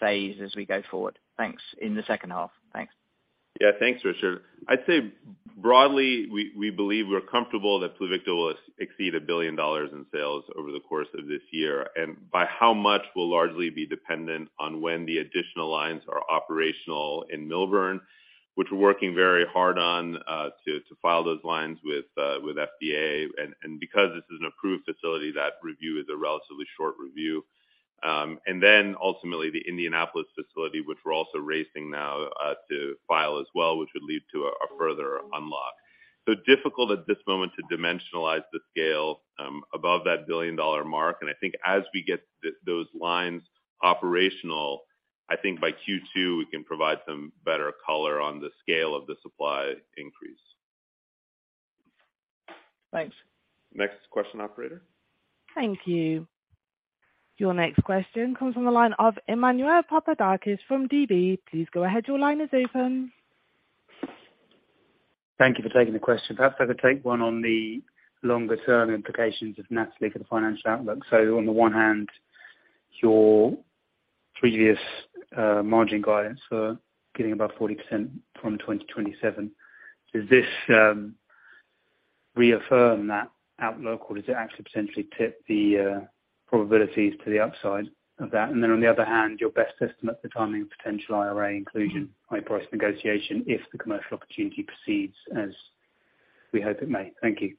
phase as we go forward. Thanks. In the second half. Thanks. Yeah. Thanks, Richard. I'd say broadly, we believe we're comfortable that Pluvicto will exceed $1 billion in sales over the course of this year. By how much will largely be dependent on when the additional lines are operational in Millburn, which we're working very hard on to file those lines with FDA. Because this is an approved facility, that review is a relatively short review. Ultimately, the Indianapolis facility, which we're also racing now to file as well, which would lead to a further unlock. Difficult at this moment to dimensionalize the scale above that $1 billion mark. I think as we get those lines operational, I think by Q2, we can provide some better color on the scale of the supply increase. Thanks. Next question, operator. Thank you. Your next question comes from the line of Emmanuel Papadakis from DB. Please go ahead. Your line is open. Thank you for taking the question. Perhaps I could take one on the longer-term implications of NATALEE for the financial outlook. On the one hand, your previous margin guidance for getting about 40% from 2027. Does this reaffirm that outlook, or does it actually potentially tip the probabilities to the upside of that? On the other hand, your best estimate for timing potential IRA inclusion by price negotiation if the commercial opportunity proceeds as we hope it may. Thank you.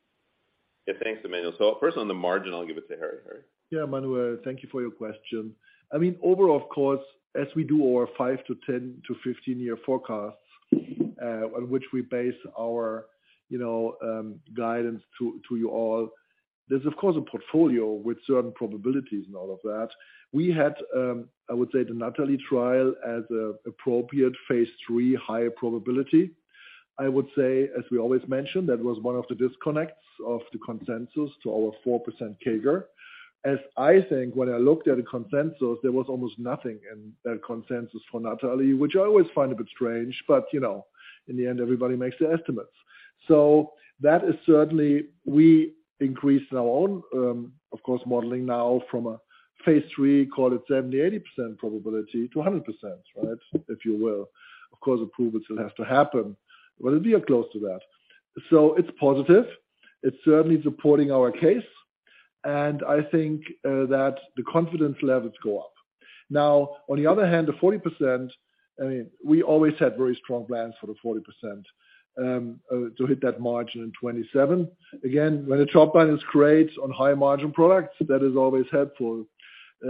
Yeah. Thanks, Emmanuel. First on the margin, I'll give it to Harry. Yeah, Emmanuel, thank you for your question. I mean, overall, of course, as we do our 5 to 10 to 15-year forecasts, on which we base our, you know, guidance to you all, there's of course a portfolio with certain probabilities and all of that. We had, I would say the NATALEE trial as a appropriate Phase III higher probability. I would say, as we always mentioned, that was one of the disconnects of the consensus to our 4% CAGR. As I think when I looked at the consensus, there was almost nothing in that consensus for NATALEE, which I always find a bit strange, but, you know, in the end, everybody makes their estimates. That is certainly we increased our own, of course, modeling now from a Phase III, call it 70%, 80% probability to a 100%, right? If you will. Of course, approval still has to happen, but we are close to that. It's positive. It's certainly supporting our case. I think that the confidence levels go up. Now, on the other hand, the 40%, I mean, we always had very strong plans for the 40% to hit that margin in 2027. Again, when the top line is great on high-margin products, that is always helpful.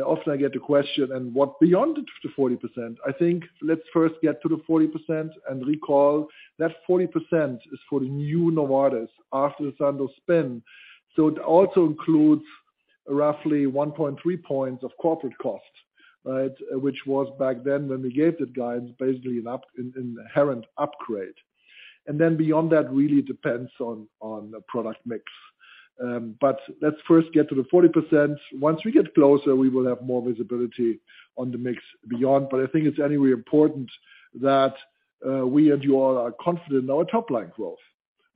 Often I get the question, "And what beyond the 40%?" I think let's first get to the 40% and recall that 40% is for the new Novartis after the Sandoz spin. It also includes roughly 1.3 points of corporate cost, right? Which was back then when we gave the guidance, basically an inherent upgrade. Beyond that really depends on the product mix. Let's first get to the 40%. Once we get closer, we will have more visibility on the mix beyond. I think it's anyway important that we and you all are confident in our top line growth,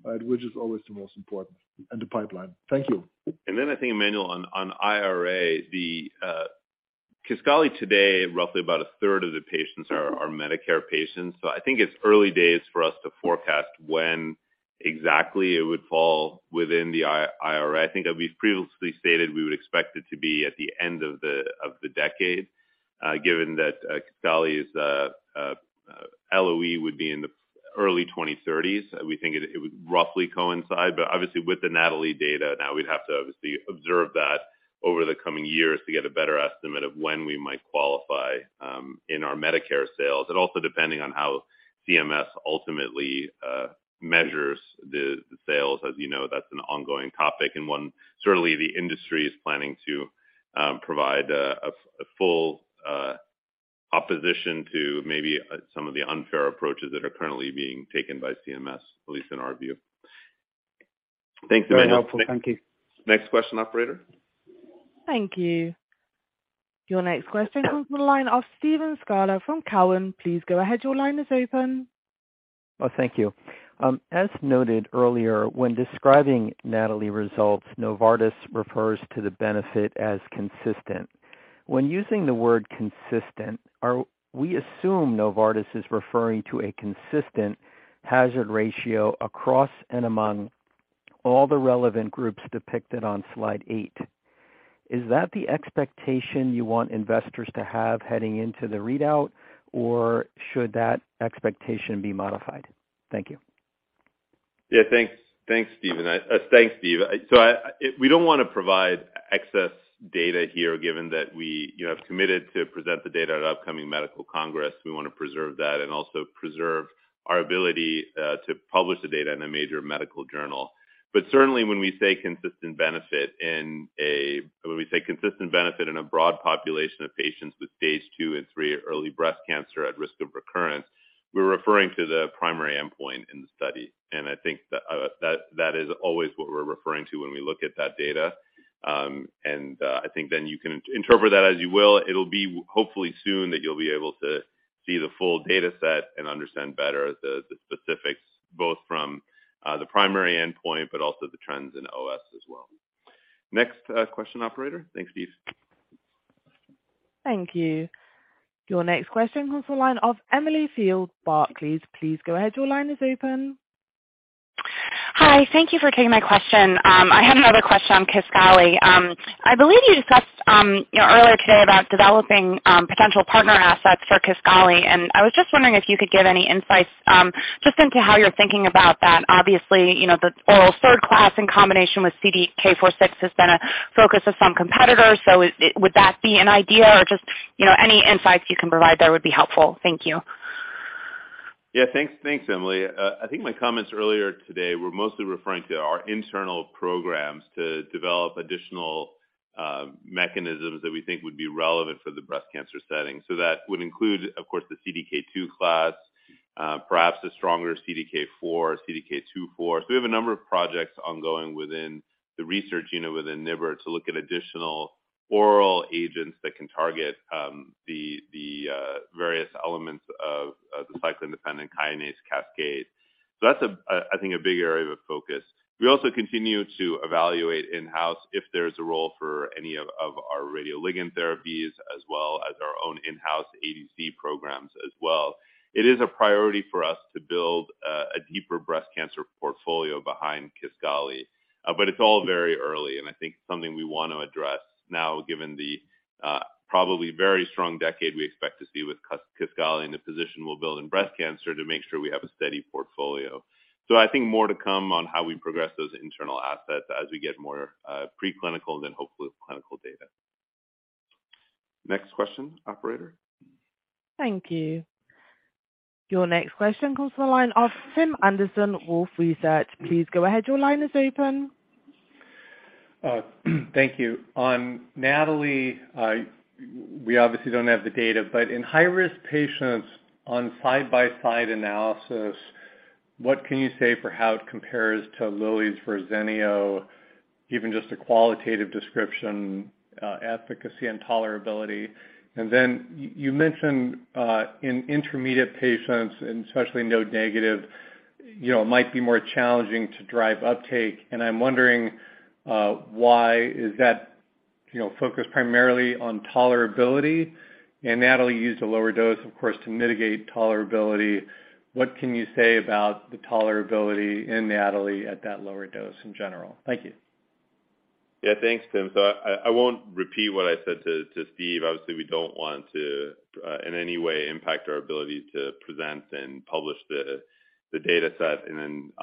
right? Which is always the most important, and the pipeline. Thank you. I think, Emmanuel, on IRA, the KISQALI today, roughly about a third of the patients are Medicare patients. I think it's early days for us to forecast when exactly it would fall within the IRA. I think that we've previously stated we would expect it to be at the end of the decade, given that KISQALI's LOE would be in the early 2030s. We think it would roughly coincide. Obviously with the NATALEE data now, we'd have to obviously observe that over the coming years to get a better estimate of when we might qualify in our Medicare sales and also depending on how CMS ultimately measures the sales. As you know, that's an ongoing topic and one certainly the industry is planning to provide a full opposition to maybe some of the unfair approaches that are currently being taken by CMS, at least in our view. Thanks, Emmanuel. Very helpful. Thank you. Next question, operator. Thank you. Your next question comes from the line of Steve Scala from Cowen. Please go ahead. Your line is open. Thank you. As noted earlier, when describing NATALEE results, Novartis refers to the benefit as consistent. When using the word consistent, we assume Novartis is referring to a consistent hazard ratio across and among all the relevant groups depicted on slide eight. Is that the expectation you want investors to have heading into the readout, or should that expectation be modified? Thank you. Yeah, thanks. Thanks, Steve. We don't wanna provide excess data here given that we, you know, have committed to present the data at upcoming Medical Congress. We wanna preserve that and also preserve our ability to publish the data in a major medical journal. Certainly when we say consistent benefit in a broad population of patients with stage two and three early breast cancer at risk of recurrence, we're referring to the primary endpoint in the study. I think that is always what we're referring to when we look at that data. You can interpret that as you will. It'll be hopefully soon that you'll be able to see the full data set and understand better the specifics, both from the primary endpoint but also the trends in OS as well. Next question, operator. Thanks, Steve. Thank you. Your next question comes from the line of Emily Field, Barclays. Please go ahead. Your line is open. Hi. Thank you for taking my question. I had another question on KISQALI. I believe you discussed, you know, earlier today about developing potential partner assets for KISQALI, and I was just wondering if you could give any insights, just into how you're thinking about that. Obviously, you know, the oral third class in combination with CDK4/6 has been a focus of some competitors. Would that be an idea? Or just, you know, any insights you can provide there would be helpful. Thank you. Yeah, thanks. Thanks, Emily. I think my comments earlier today were mostly referring to our internal programs to develop additional mechanisms that we think would be relevant for the breast cancer setting. That would include, of course, the CDK2 class, perhaps a stronger CDK4, CDK2/4. We have a number of projects ongoing within the research unit within NIBR to look at additional oral agents that can target the various elements of the cyclin-dependent kinase cascade. That's a, I think, a big area of focus. We also continue to evaluate in-house if there's a role for any of our radioligand therapies as well as our own in-house ADC programs as well. It is a priority for us to build a deeper breast cancer portfolio behind KISQALI, but it's all very early, and I think something we wanna address now, given the probably very strong decade we expect to see with KISQALI and the position we'll build in breast cancer to make sure we have a steady portfolio. I think more to come on how we progress those internal assets as we get more pre-clinical then hopefully clinical data. Next question, operator. Thank you. Your next question comes from the line of Tim Anderson, Wolfe Research. Please go ahead. Your line is open. Thank you. On NATALEE, we obviously don't have the data, but in high-risk patients on side-by-side analysis, what can you say for how it compares to Lilly's Verzenio, even just a qualitative description, efficacy, and tolerability? Then you mentioned, in intermediate patients, and especially node-negative, you know, it might be more challenging to drive uptake. I'm wondering, why is that, you know, focused primarily on tolerability? NATALEE used a lower dose, of course, to mitigate tolerability. What can you say about the tolerability in NATALEE at that lower dose in general? Thank you. Yeah, thanks, Tim. I won't repeat what I said to Steve. Obviously, we don't want to in any way impact our ability to present and publish the data set in an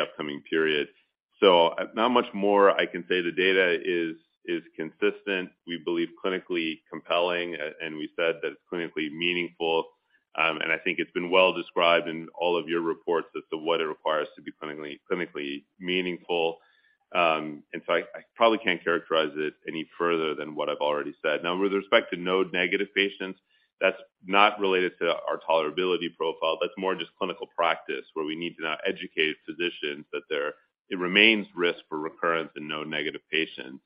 upcoming period. Not much more I can say. The data is consistent, we believe clinically compelling, and we said that it's clinically meaningful. I think it's been well described in all of your reports as to what it requires to be clinically meaningful. I probably can't characterize it any further than what I've already said. With respect to node-negative patients, that's not related to our tolerability profile, that's more just clinical practice, where we need to now educate physicians that it remains risk for recurrence in node-negative patients,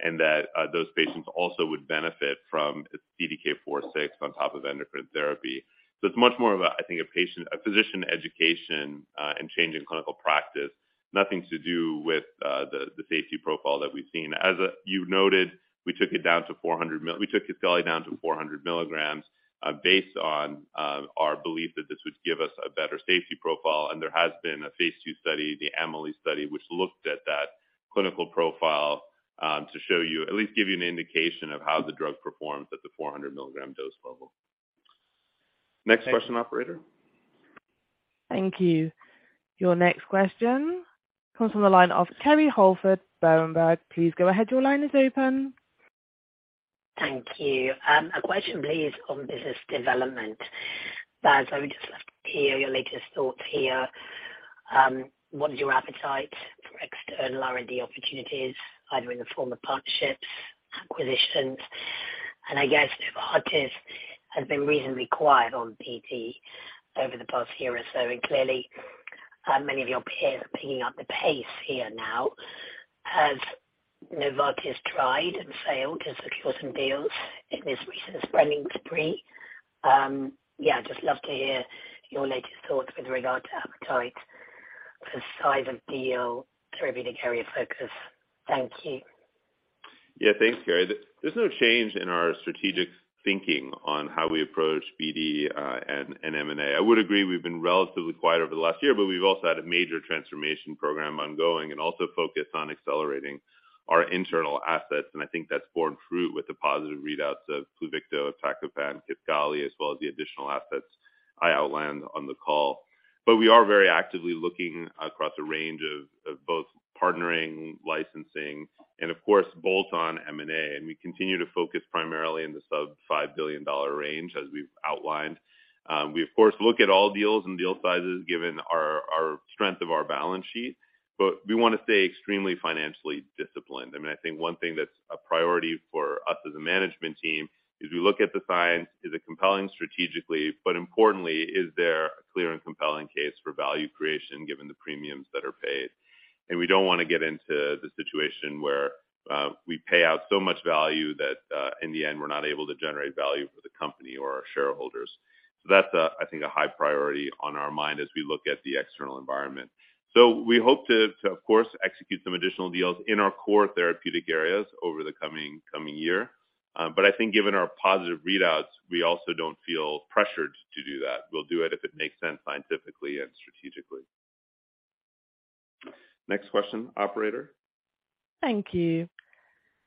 and that those patients also would benefit from CDK4/6 on top of endocrine therapy. It's much more of a, I think, a physician education, and change in clinical practice. Nothing to do with the safety profile that we've seen. As you noted, we took KISQALI down to 400 milligrams, based on our belief that this would give us a better safety profile. There has been a Phase II study, the EMBER-2 study, which looked at that clinical profile, to at least give you an indication of how the drug performs at the 400 milligram dose level. Next question operator. Thank you. Your next question comes from the line of Kerry Holford, Berenberg. Please go ahead. Your line is open. Thank you. A question please on business development. Vas, I would just love to hear your latest thoughts here. What is your appetite for external R&D opportunities, either in the form of partnerships, acquisitions? I guess Novartis has been reasonably quiet on BD over the past year or so, and clearly, many of your peers are picking up the pace here now. Has Novartis tried and failed to secure some deals in this recent spending spree? Yeah, just love to hear your latest thoughts with regard to appetite for size of deal, therapeutic area focus. Thank you. Yeah. Thanks, Kerry. There's no change in our strategic thinking on how we approach BD and M&A. I would agree we've been relatively quiet over the last year, but we've also had a major transformation program ongoing and also focused on accelerating our internal assets. I think that's borne fruit with the positive readouts of Pluvicto, iptacopan, KISQALI, as well as the additional assets I outlined on the call. We are very actively looking across a range of both partnering, licensing and of course, bolt-on M&A, and we continue to focus primarily in the sub $5 billion range, as we've outlined. We of course look at all deals and deal sizes given our strength of our balance sheet, but we wanna stay extremely financially disciplined. I mean, I think one thing that's a priority for us as a management team is we look at the science, is it compelling strategically, but importantly, is there a clear and compelling case for value creation given the premiums that are paid. We don't wanna get into the situation where we pay out so much value that in the end, we're not able to generate value for the company or our shareholders. That's, I think, a high priority on our mind as we look at the external environment. We hope to of course, execute some additional deals in our core therapeutic areas over the coming year. I think given our positive readouts, we also don't feel pressured to do that. We'll do it if it makes sense scientifically and strategically. Next question, operator. Thank you.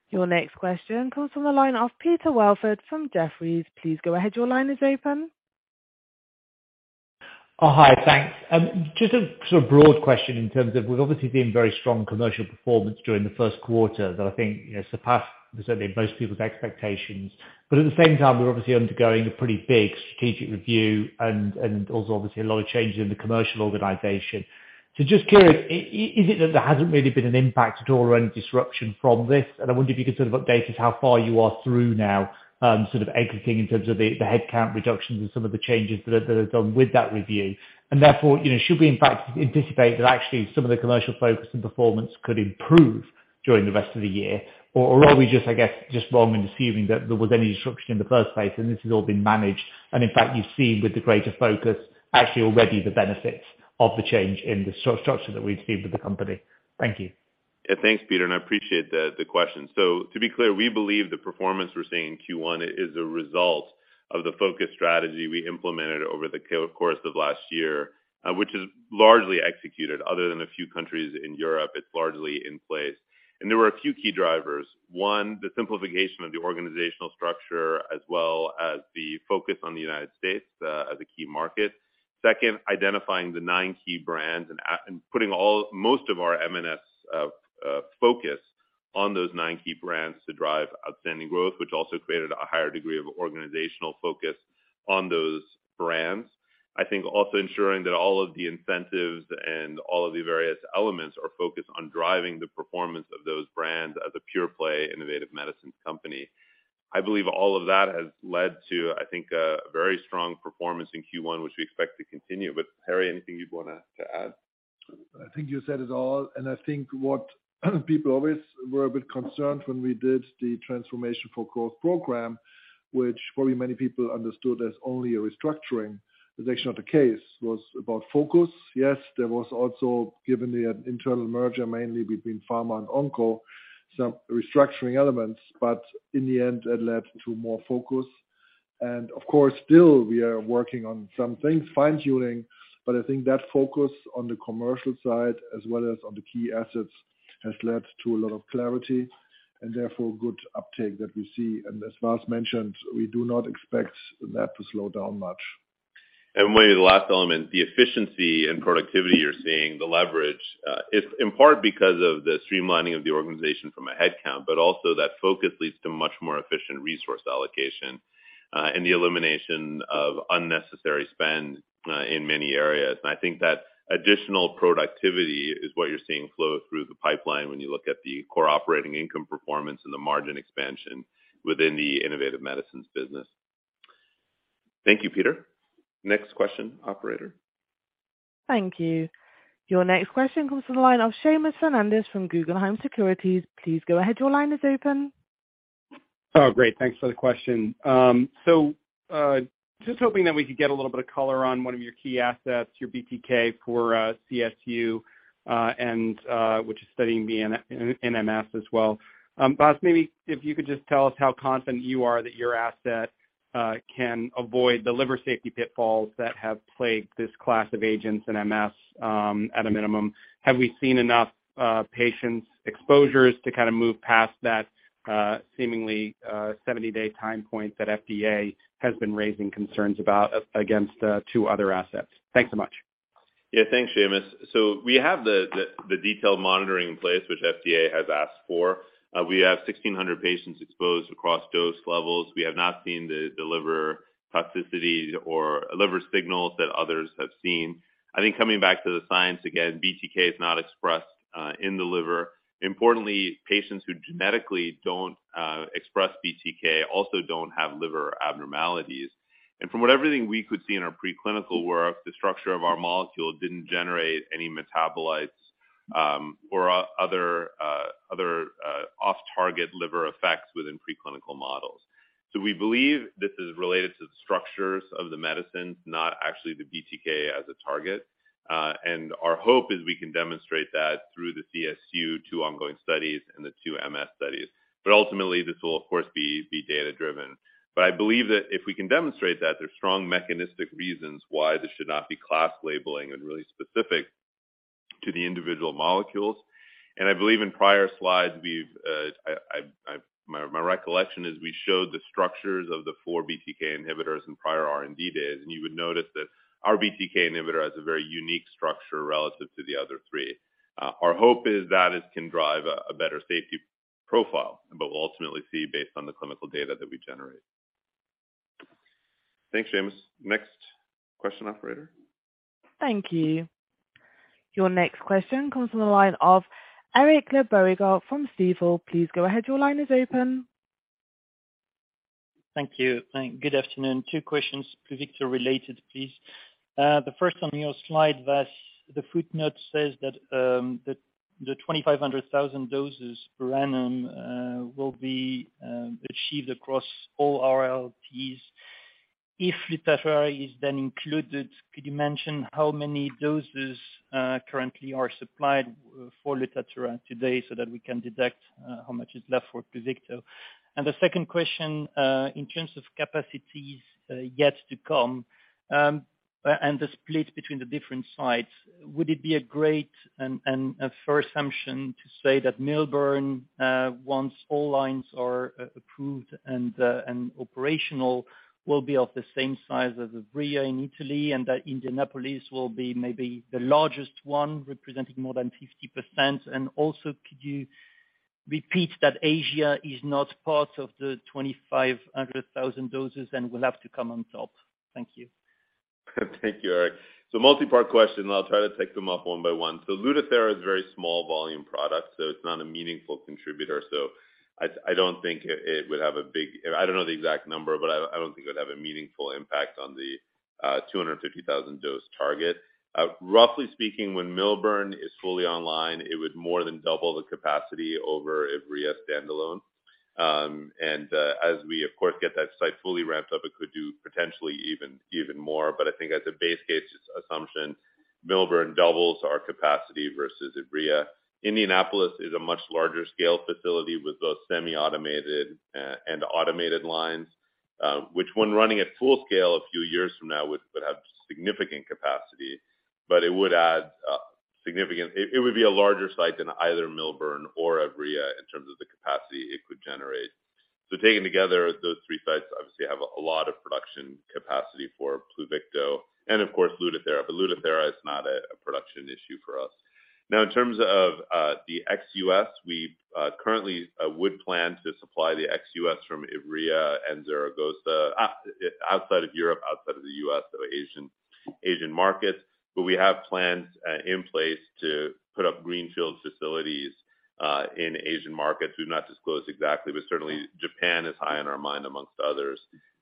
Your next question comes from the line of Peter Welford from Jefferies. Please go ahead. Your line is open. Hi. Thanks. Just a sort of broad question in terms of we've obviously seen very strong commercial performance during the Q1 that I think, you know, surpassed certainly most people's expectations. At the same time, we're obviously undergoing a pretty big strategic review and also obviously a lot of changes in the commercial organization. Just curious, is it that there hasn't really been an impact at all or any disruption from this? I wonder if you could sort of update us how far you are through now, sort of executing in terms of the headcount reductions and some of the changes that have done with that review. Therefore, you know, should we in fact anticipate that actually some of the commercial focus and performance could improve during the rest of the year? Are we just, I guess, just wrong in assuming that there was any disruption in the first place and this has all been managed and in fact, you've seen with the greater focus actually already the benefits of the change in the structure that we've seen with the company? Thank you. Thanks, Peter, I appreciate the question. To be clear, we believe the performance we're seeing in Q1 is a result of the focus strategy we implemented over the course of last year, which is largely executed. Other than a few countries in Europe, it's largely in place. There were a few key drivers. One, the simplification of the organizational structure as well as the focus on the United States as a key market. Second, identifying the 9 key brands and putting most of our M&S focus on those 9 key brands to drive outstanding growth, which also created a higher degree of organizational focus on those brands. I think also ensuring that all of the incentives and all of the various elements are focused on driving the performance of those brands as a pure play innovative medicines company. I believe all of that has led to, I think, a very strong performance in Q1, which we expect to continue. Harry, anything you'd wanna add? I think you said it all. I think what people always were a bit concerned when we did the transformation for growth program, which probably many people understood as only a restructuring. That's actually not the case, was about focus. Yes, there was also given the internal merger mainly between Pharma and Onco, some restructuring elements, but in the end, that led to more focus. Of course, still we are working on some things, fine-tuning, but I think that focus on the commercial side as well as on the key assets, has led to a lot of clarity and therefore good uptake that we see. As Vas mentioned, we do not expect that to slow down much. Maybe the last element, the efficiency and productivity you're seeing, the leverage, it's in part because of the streamlining of the organization from a headcount, but also that focus leads to much more efficient resource allocation, and the elimination of unnecessary spend, in many areas. I think that additional productivity is what you're seeing flow through the pipeline when you look at the core operating income performance and the margin expansion within the innovative medicines business. Thank you, Peter. Next question, operator. Thank you. Your next question comes from the line of Seamus Fernandez from Guggenheim Securities. Please go ahead. Your line is open. Great. Thanks for the question. Just hoping that we could get a little bit of color on one of your key assets, your BTK for CSU, and which is studying the RMS as well. Vas, maybe if you could just tell us how confident you are that your asset can avoid the liver safety pitfalls that have plagued this class of agents in MS, at a minimum. Have we seen enough patients exposures to kinda move past that seemingly 70-day time point that FDA has been raising concerns about against 2 other assets? Thanks so much. Yeah. Thanks, Seamus. We have the detailed monitoring in place which FDA has asked for. We have 1,600 patients exposed across dose levels. We have not seen the liver toxicity or liver signals that others have seen. I think coming back to the science again, BTK is not expressed in the liver. Importantly, patients who genetically don't express BTK also don't have liver abnormalities. From what everything we could see in our preclinical work, the structure of our molecule didn't generate any metabolites or other off target liver effects within preclinical models. We believe this is related to the structures of the medicines, not actually the BTK as a target. Our hope is we can demonstrate that through the CSU two ongoing studies and the two MS studies. Ultimately this will of course be data driven. I believe that if we can demonstrate that there's strong mechanistic reasons why this should not be class labeling and really specific to the individual molecules. I believe in prior slides we've, my recollection is we showed the structures of the four BTK inhibitors in prior R&D days, and you would notice that our BTK inhibitor has a very unique structure relative to the other three. Our hope is that it can drive a better safety profile, but we'll ultimately see based on the clinical data that we generate. Thanks, Seamus. Next question, operator. Thank you. Your next question comes from the line of Eric Le Berrigaud from Stifel. Please go ahead. Your line is open. Thank you and good afternoon. Two questions, Pluvicto related, please. The first on your slide, Vas, the footnote says that the 2,500,000 doses per annum will be achieved across all RLPs. If Lutathera is then included, could you mention how many doses currently are supplied for Lutathera today so that we can deduct how much is left for Pluvicto? The second question, in terms of capacities, yet to come, and the split between the different sites, would it be a great and a fair assumption to say that Millburn, once all lines are approved and operational, will be of the same size as Ivrea in Italy and that Indianapolis will be maybe the largest one, representing more than 50%. Also could you repeat that Asia is not part of the 2,500,000 doses and will have to come on top. Thank you. Thank you, Eric. Multi-part question. I'll try to take them up one by one. Lutathera is a very small volume product, so it's not a meaningful contributor. I don't think it would have a big. I don't know the exact number, but I don't think it would have a meaningful impact on the 250,000 dose target. Roughly speaking, when Millburn is fully online, it would more than double the capacity over Ivrea standalone. As we of course get that site fully ramped up, it could do potentially even more. I think as a base case assumption, Millburn doubles our capacity versus Ivrea. Indianapolis is a much larger scale facility with both semi-automated and automated lines, which when running at full scale a few years from now would have significant capacity, but it would be a larger site than either Millburn or Ivrea in terms of the capacity it could generate. Taken together, those three sites obviously have a lot of production capacity for Pluvicto and of course Lutathera, but Lutathera is not a production issue for us. In terms of the ex-U.S., we currently would plan to supply the ex-U.S. from Ivrea and Zaragoza. Outside of Europe, outside of the U.S., so Asian markets. We have plans in place to put up greenfield facilities in Asian markets. We've not disclosed exactly, but certainly Japan is high on our mind amongst others,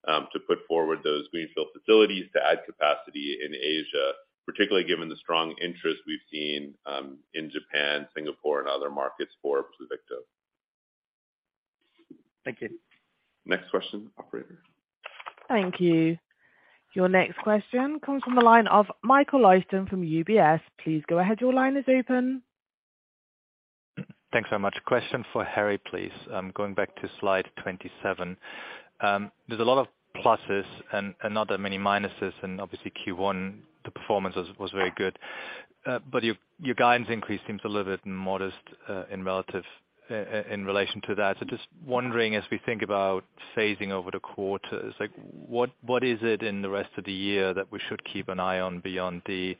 to put forward those greenfield facilities to add capacity in Asia, particularly given the strong interest we've seen, in Japan, Singapore and other markets for Pluvicto. Thank you. Next question, operator. Thank you. Your next question comes from the line of Michael Leuchten from UBS. Please go ahead. Your line is open. Thanks very much. Question for Harry, please. Going back to slide 27. There's a lot of pluses and not that many minuses and obviously Q1, the performance was very good. Your guidance increase seems a little bit modest in relative in relation to that. Just wondering as we think about phasing over the quarters, like what is it in the rest of the year that we should keep an eye on beyond the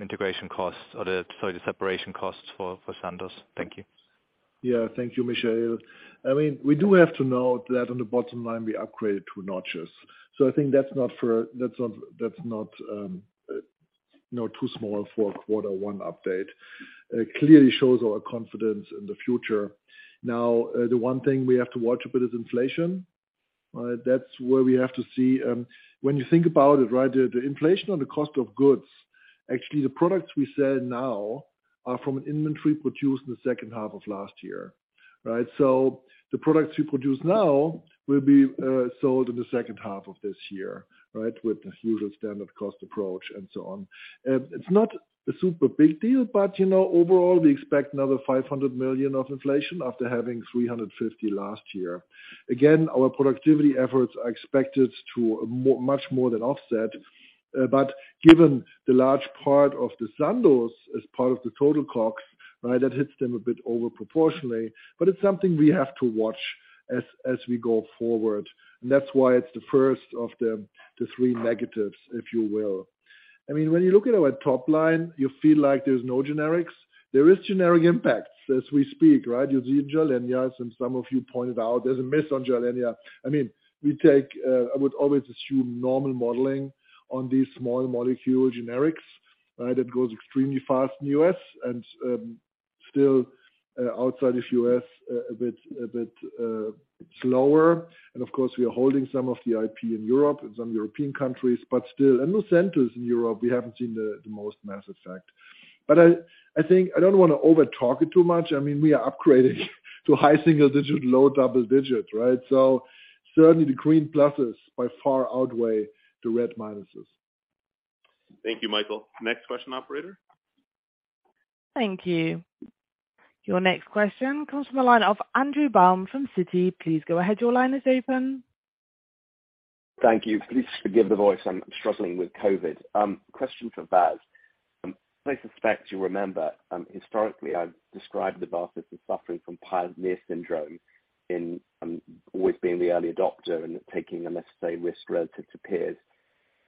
integration costs or the separation costs for Sandoz? Thank you. Yeah. Thank you, Michael. I mean, we do have to note that on the bottom line we upgraded 2 notches. I think that's not, you know, too small for a quarter one update. Clearly shows our confidence in the future. Now, the one thing we have to watch a bit is inflation. That's where we have to see, when you think about it, right, the inflation on the cost of goods, actually the products we sell now are from an inventory produced in the second half of last year, right? The products we produce now will be sold in the second half of this year, right? With the usual standard cost approach and so on. It's not a super big deal, but you know, overall, we expect another $500 million of inflation after having $350 million last year. Again, our productivity efforts are expected to much more than offset. Given the large part of the Sandoz as part of the total COGS, right, that hits them a bit over proportionally. It's something we have to watch. As we go forward. That's why it's the first of the 3 negatives, if you will. I mean, when you look at our top line, you feel like there's no generics. There is generic impacts as we speak, right? You see Gilenya. Some of you pointed out there's a miss on Gilenya. I mean, we take, I would always assume normal modeling on these small molecule generics, right? That goes extremely fast in the U.S. and still outside of U.S. a bit slower. Of course, we are holding some of the IP in Europe, in some European countries, but still, Lucentis in Europe, we haven't seen the most massive fact. I think I don't wanna over talk it too much. I mean, we are upgrading to high single-digit, low double-digit, right? Certainly the green pluses by far outweigh the red minuses. Thank you, Michael. Next question, operator. Thank you. Your next question comes from the line of Andrew Baum from Citi. Please go ahead, your line is open. Thank you. Please forgive the voice, I'm struggling with COVID. question for Vas. I suspect you remember, historically, I've described Novartis as suffering from pioneer syndrome in, always being the early adopter and taking a necessary risk relative to peers.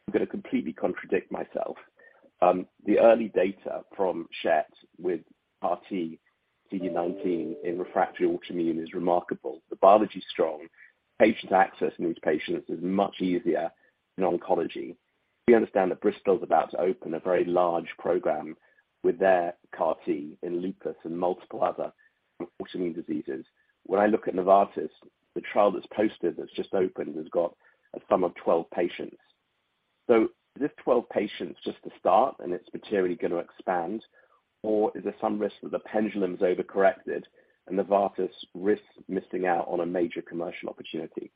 I'm gonna completely contradict myself. the early data from CHET with RT-2019 in refractory autoimmune is remarkable. The biology is strong. Patient access in these patients is much easier than oncology. We understand that Bristol is about to open a very large program with their CAR-T in lupus and multiple other autoimmune diseases. When I look at Novartis, the trial that's posted that's just opened, has got a sum of 12 patients. Are these 12 patients just a start and it's materially gonna expand, or is there some risk that the pendulum is over-corrected and Novartis risks missing out on a major commercial opportunity?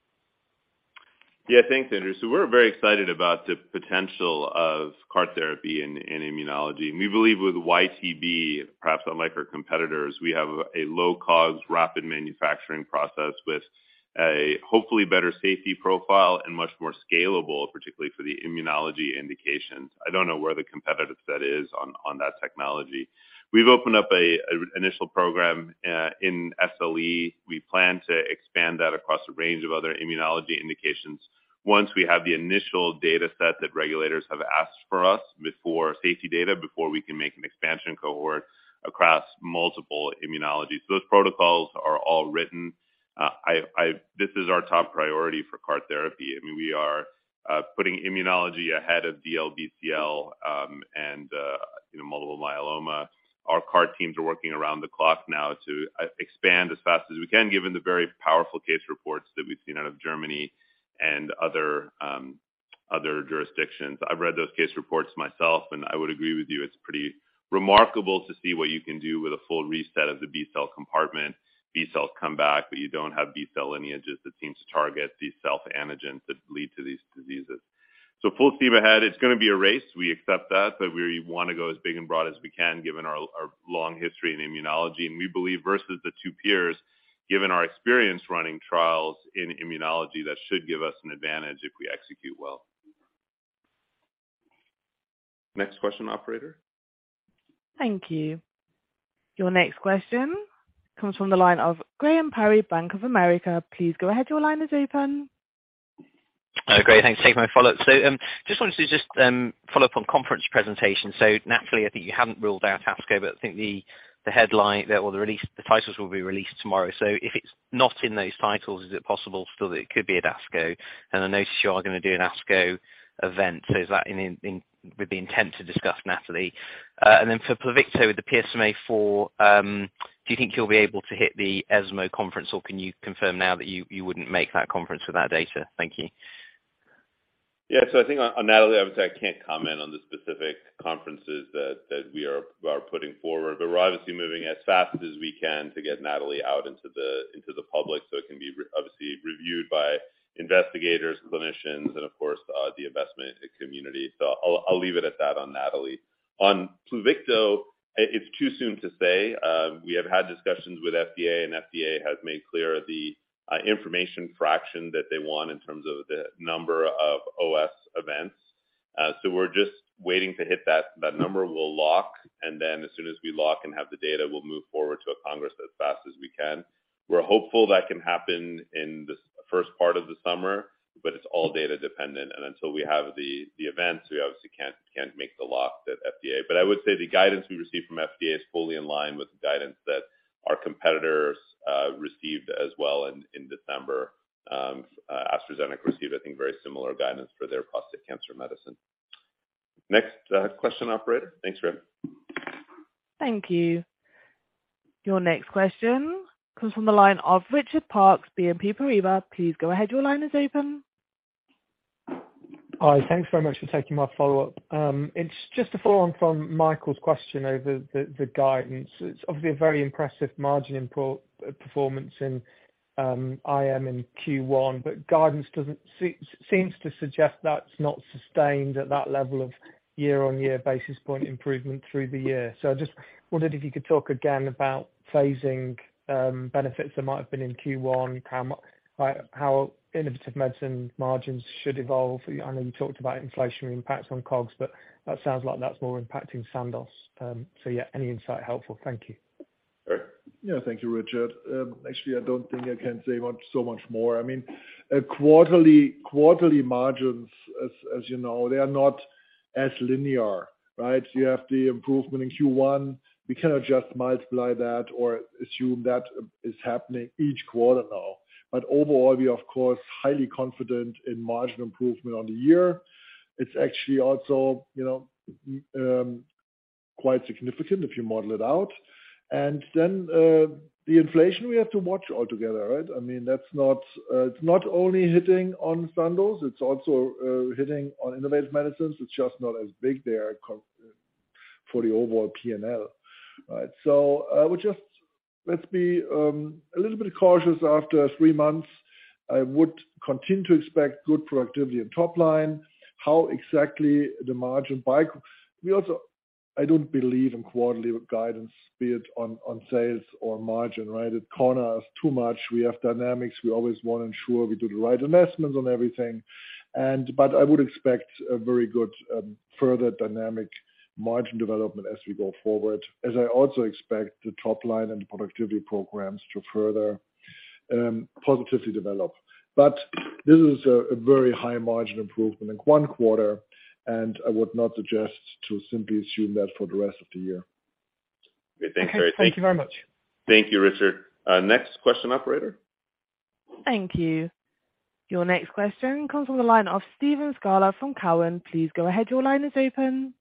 Yeah, thanks, Andrew. We're very excited about the potential of CAR therapy in immunology. We believe with YTB, perhaps unlike our competitors, we have a low-cost rapid manufacturing process with a hopefully better safety profile and much more scalable, particularly for the immunology indications. I don't know where the competitive set is on that technology. We've opened up an initial program in SLE. We plan to expand that across a range of other immunology indications. Once we have the initial data set that regulators have asked for us before safety data, before we can make an expansion cohort across multiple immunologies. Those protocols are all written. This is our top priority for CAR therapy. I mean, we are putting immunology ahead of DLBCL and, you know, multiple myeloma. Our CAR teams are working around the clock now to e-expand as fast as we can, given the very powerful case reports that we've seen out of Germany and other jurisdictions. I've read those case reports myself, and I would agree with you, it's pretty remarkable to see what you can do with a full reset of the B-cell compartment. B-cells come back, but you don't have B-cell lineages that seem to target these self-antigens that lead to these diseases. Full steam ahead. It's gonna be a race, we accept that, but we wanna go as big and broad as we can, given our long history in immunology. We believe versus the two peers, given our experience running trials in immunology, that should give us an advantage if we execute well. Next question, operator. Thank you. Your next question comes from the line of Graham Parry, Bank of America. Please go ahead, your line is open. Great. Thanks for taking my follow-up. Just wanted to follow up on conference presentation. NATALEE, I think you haven't ruled out ASCO, but I think the headline or the titles will be released tomorrow. If it's not in those titles, is it possible still that it could be at ASCO? I notice you are gonna do an ASCO event. Is that in with the intent to discuss NATALEE? Then for Pluvicto with the PSMAfore, do you think you'll be able to hit the ESMO conference, or can you confirm now that you wouldn't make that conference with that data? Thank you. Yeah. I think on NATALEE, obviously, I can't comment on the specific conferences that we are putting forward, but we're obviously moving as fast as we can to get NATALEE out into the public, so it can be obviously reviewed by investigators, clinicians, and of course, the investment community. I'll leave it at that on NATALEE. On Pluvicto, it's too soon to say. We have had discussions with FDA, and FDA has made clear the information fraction that they want in terms of the number of OS events. We're just waiting to hit that number we'll lock, and then as soon as we lock and have the data, we'll move forward to a congress as fast as we can. We're hopeful that can happen in this first part of the summer, but it's all data dependent. Until we have the events, we obviously can't make the lock that FDA. I would say the guidance we received from FDA is fully in line with the guidance that our competitors received as well in December. AstraZeneca received, I think, very similar guidance for their prostate cancer medicine. Next, question, operator. Thanks, Graham. Thank you. Your next question comes from the line of Richard Parkes, BNP Paribas. Please go ahead, your line is open. Hi. Thanks very much for taking my follow-up. It's just a follow on from Michael's question over the guidance. It's obviously a very impressive margin performance in IM in Q1, but guidance doesn't seem to suggest that's not sustained at that level of year-on-year basis point improvement through the year. I just wondered if you could talk again about phasing benefits that might have been in Q1. How innovative medicine margins should evolve? I know you talked about inflationary impacts on COGS, but that sounds like that's more impacting Sandoz. Yeah, any insight helpful. Thank you. Yeah. Thank you, Richard. Actually, I don't think I can say much, so much more. I mean, quarterly margins, as you know, they are not as linear, right? You have the improvement in Q1. We cannot just multiply that or assume that is happening each quarter now. Overall, we are of course, highly confident in margin improvement on the year. It's actually also, you know, quite significant if you model it out. Then, the inflation we have to watch altogether, right? I mean, that's not, it's not only hitting on Sandoz, it's also hitting on Innovative Medicines. It's just not as big there for the overall P&L, right? I would just, let's be, a little bit cautious after 3 months. I would continue to expect good productivity and top line. I don't believe in quarterly guidance, be it on sales or margin, right? It corners too much. We have dynamics. We always wanna ensure we do the right investments on everything and. I would expect a very good further dynamic margin development as we go forward, as I also expect the top line and the productivity programs to further positively develop. This is a very high margin improvement in one quarter, and I would not suggest to simply assume that for the rest of the year. Okay. Thanks, Harry. Thank you very much. Thank you, Richard. Next question, operator. Thank you. Your next question comes from the line of Steve Scala from Cowen. Please go ahead. Your line is open.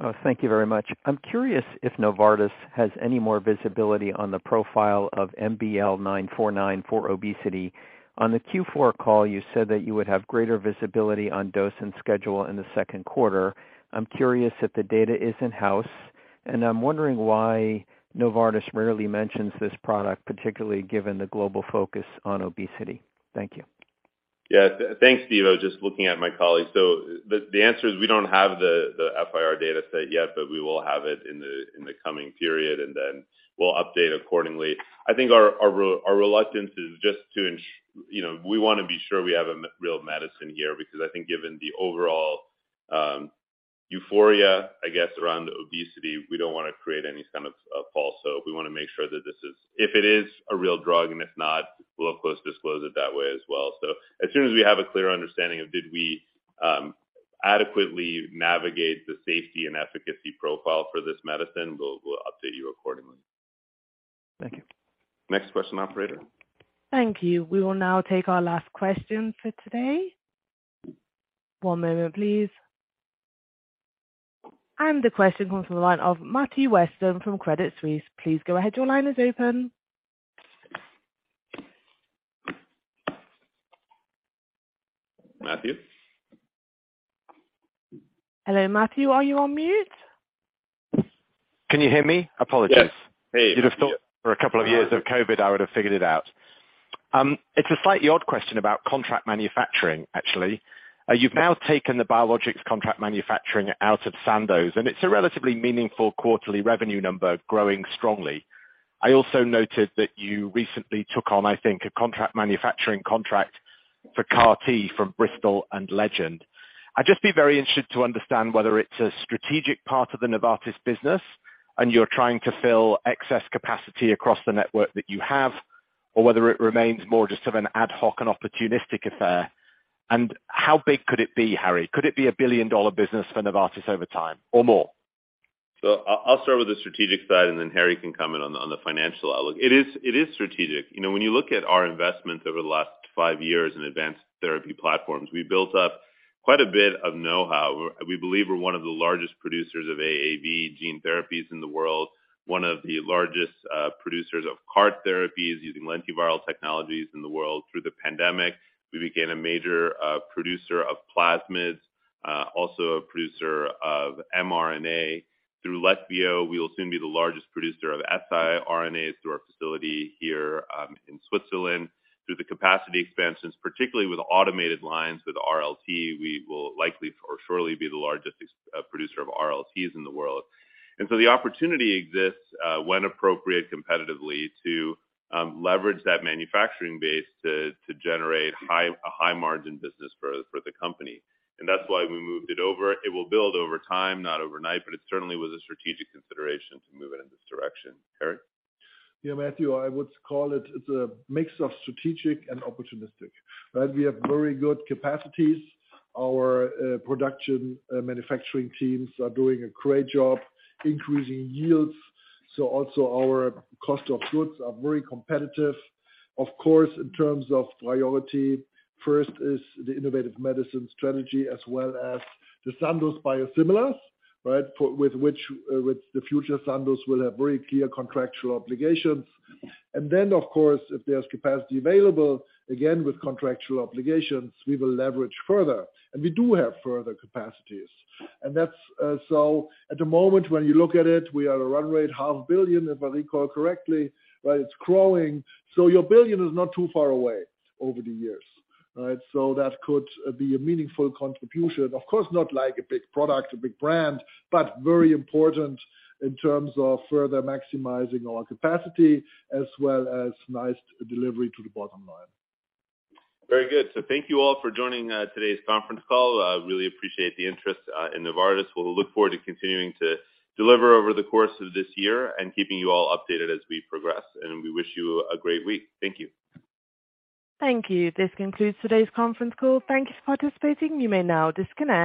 Oh, thank you very much. I'm curious if Novartis has any more visibility on the profile of MBL949 for obesity. On the Q4 call, you said that you would have greater visibility on dose and schedule in the Q2. I'm curious if the data is in-house, and I'm wondering why Novartis rarely mentions this product, particularly given the global focus on obesity. Thank you. Yeah. Thanks, Steve. I was just looking at my colleagues. The answer is we don't have the FIR dataset yet, we will have it in the coming period, we'll update accordingly. I think our reluctance is just to You know, we wanna be sure we have a real medicine here because I think given the overall euphoria, I guess, around obesity, we don't wanna create any kind of false hope. We wanna make sure that this is. If it is a real drug and if not, we'll of course disclose it that way as well. As soon as we have a clear understanding of did we adequately navigate the safety and efficacy profile for this medicine, we'll update you accordingly. Thank you. Next question, operator. Thank you. We will now take our last question for today. One moment, please. The question comes from the line of Matthew Weston from Credit Suisse. Please go ahead. Your line is open. Matthew? Hello, Matthew, are you on mute? Can you hear me? Apologies. Yes. Hey. You'd have thought for a couple of years of COVID, I would have figured it out. It's a slightly odd question about contract manufacturing, actually. You've now taken the biologics contract manufacturing out of Sandoz, and it's a relatively meaningful quarterly revenue number growing strongly. I also noted that you recently took on, I think, a contract manufacturing contract for CAR-T from Bristol and Legend. I'd just be very interested to understand whether it's a strategic part of the Novartis business and you're trying to fill excess capacity across the network that you have, or whether it remains more just of an ad hoc and opportunistic affair. How big could it be, Harry? Could it be a billion-dollar business for Novartis over time or more? I'll start with the strategic side, and then Harry can comment on the financial outlook. It is strategic. You know, when you look at our investments over the last 5 years in advanced therapy platforms, we built up quite a bit of know-how. We believe we're one of the largest producers of AAV gene therapies in the world, one of the largest producers of CAR-T therapies using lentiviral technologies in the world. Through the pandemic, we became a major producer of plasmids, also a producer of mRNA. Through Leqvio, we will soon be the largest producer of siRNAs through our facility here in Switzerland. Through the capacity expansions, particularly with automated lines with RLT, we will likely or surely be the largest producer of RLTs in the world. The opportunity exists, when appropriate competitively to leverage that manufacturing base to generate a high-margin business for the company. That's why we moved it over. It will build over time, not overnight, but it certainly was a strategic consideration to move it in this direction. Harry? Yeah, Matthew Weston, I would call it's a mix of strategic and opportunistic, right? We have very good capacities. Our production, manufacturing teams are doing a great job increasing yields. Also our cost of goods are very competitive. Of course, in terms of priority, first is the innovative medicine strategy as well as the Sandoz biosimilars, right? With which, with the future, Sandoz will have very clear contractual obligations. Of course, if there's capacity available, again, with contractual obligations, we will leverage further. We do have further capacities. At the moment, when you look at it, we are at a run rate half billion, if I recall correctly, right? It's growing. Your billion is not too far away over the years, right? That could be a meaningful contribution. Of course, not like a big product, a big brand, but very important in terms of further maximizing our capacity as well as nice delivery to the bottom line. Very good. Thank you all for joining today's conference call. I really appreciate the interest in Novartis. We'll look forward to continuing to deliver over the course of this year and keeping you all updated as we progress. We wish you a great week. Thank you. Thank you. This concludes today's conference call. Thank you for participating. You may now disconnect.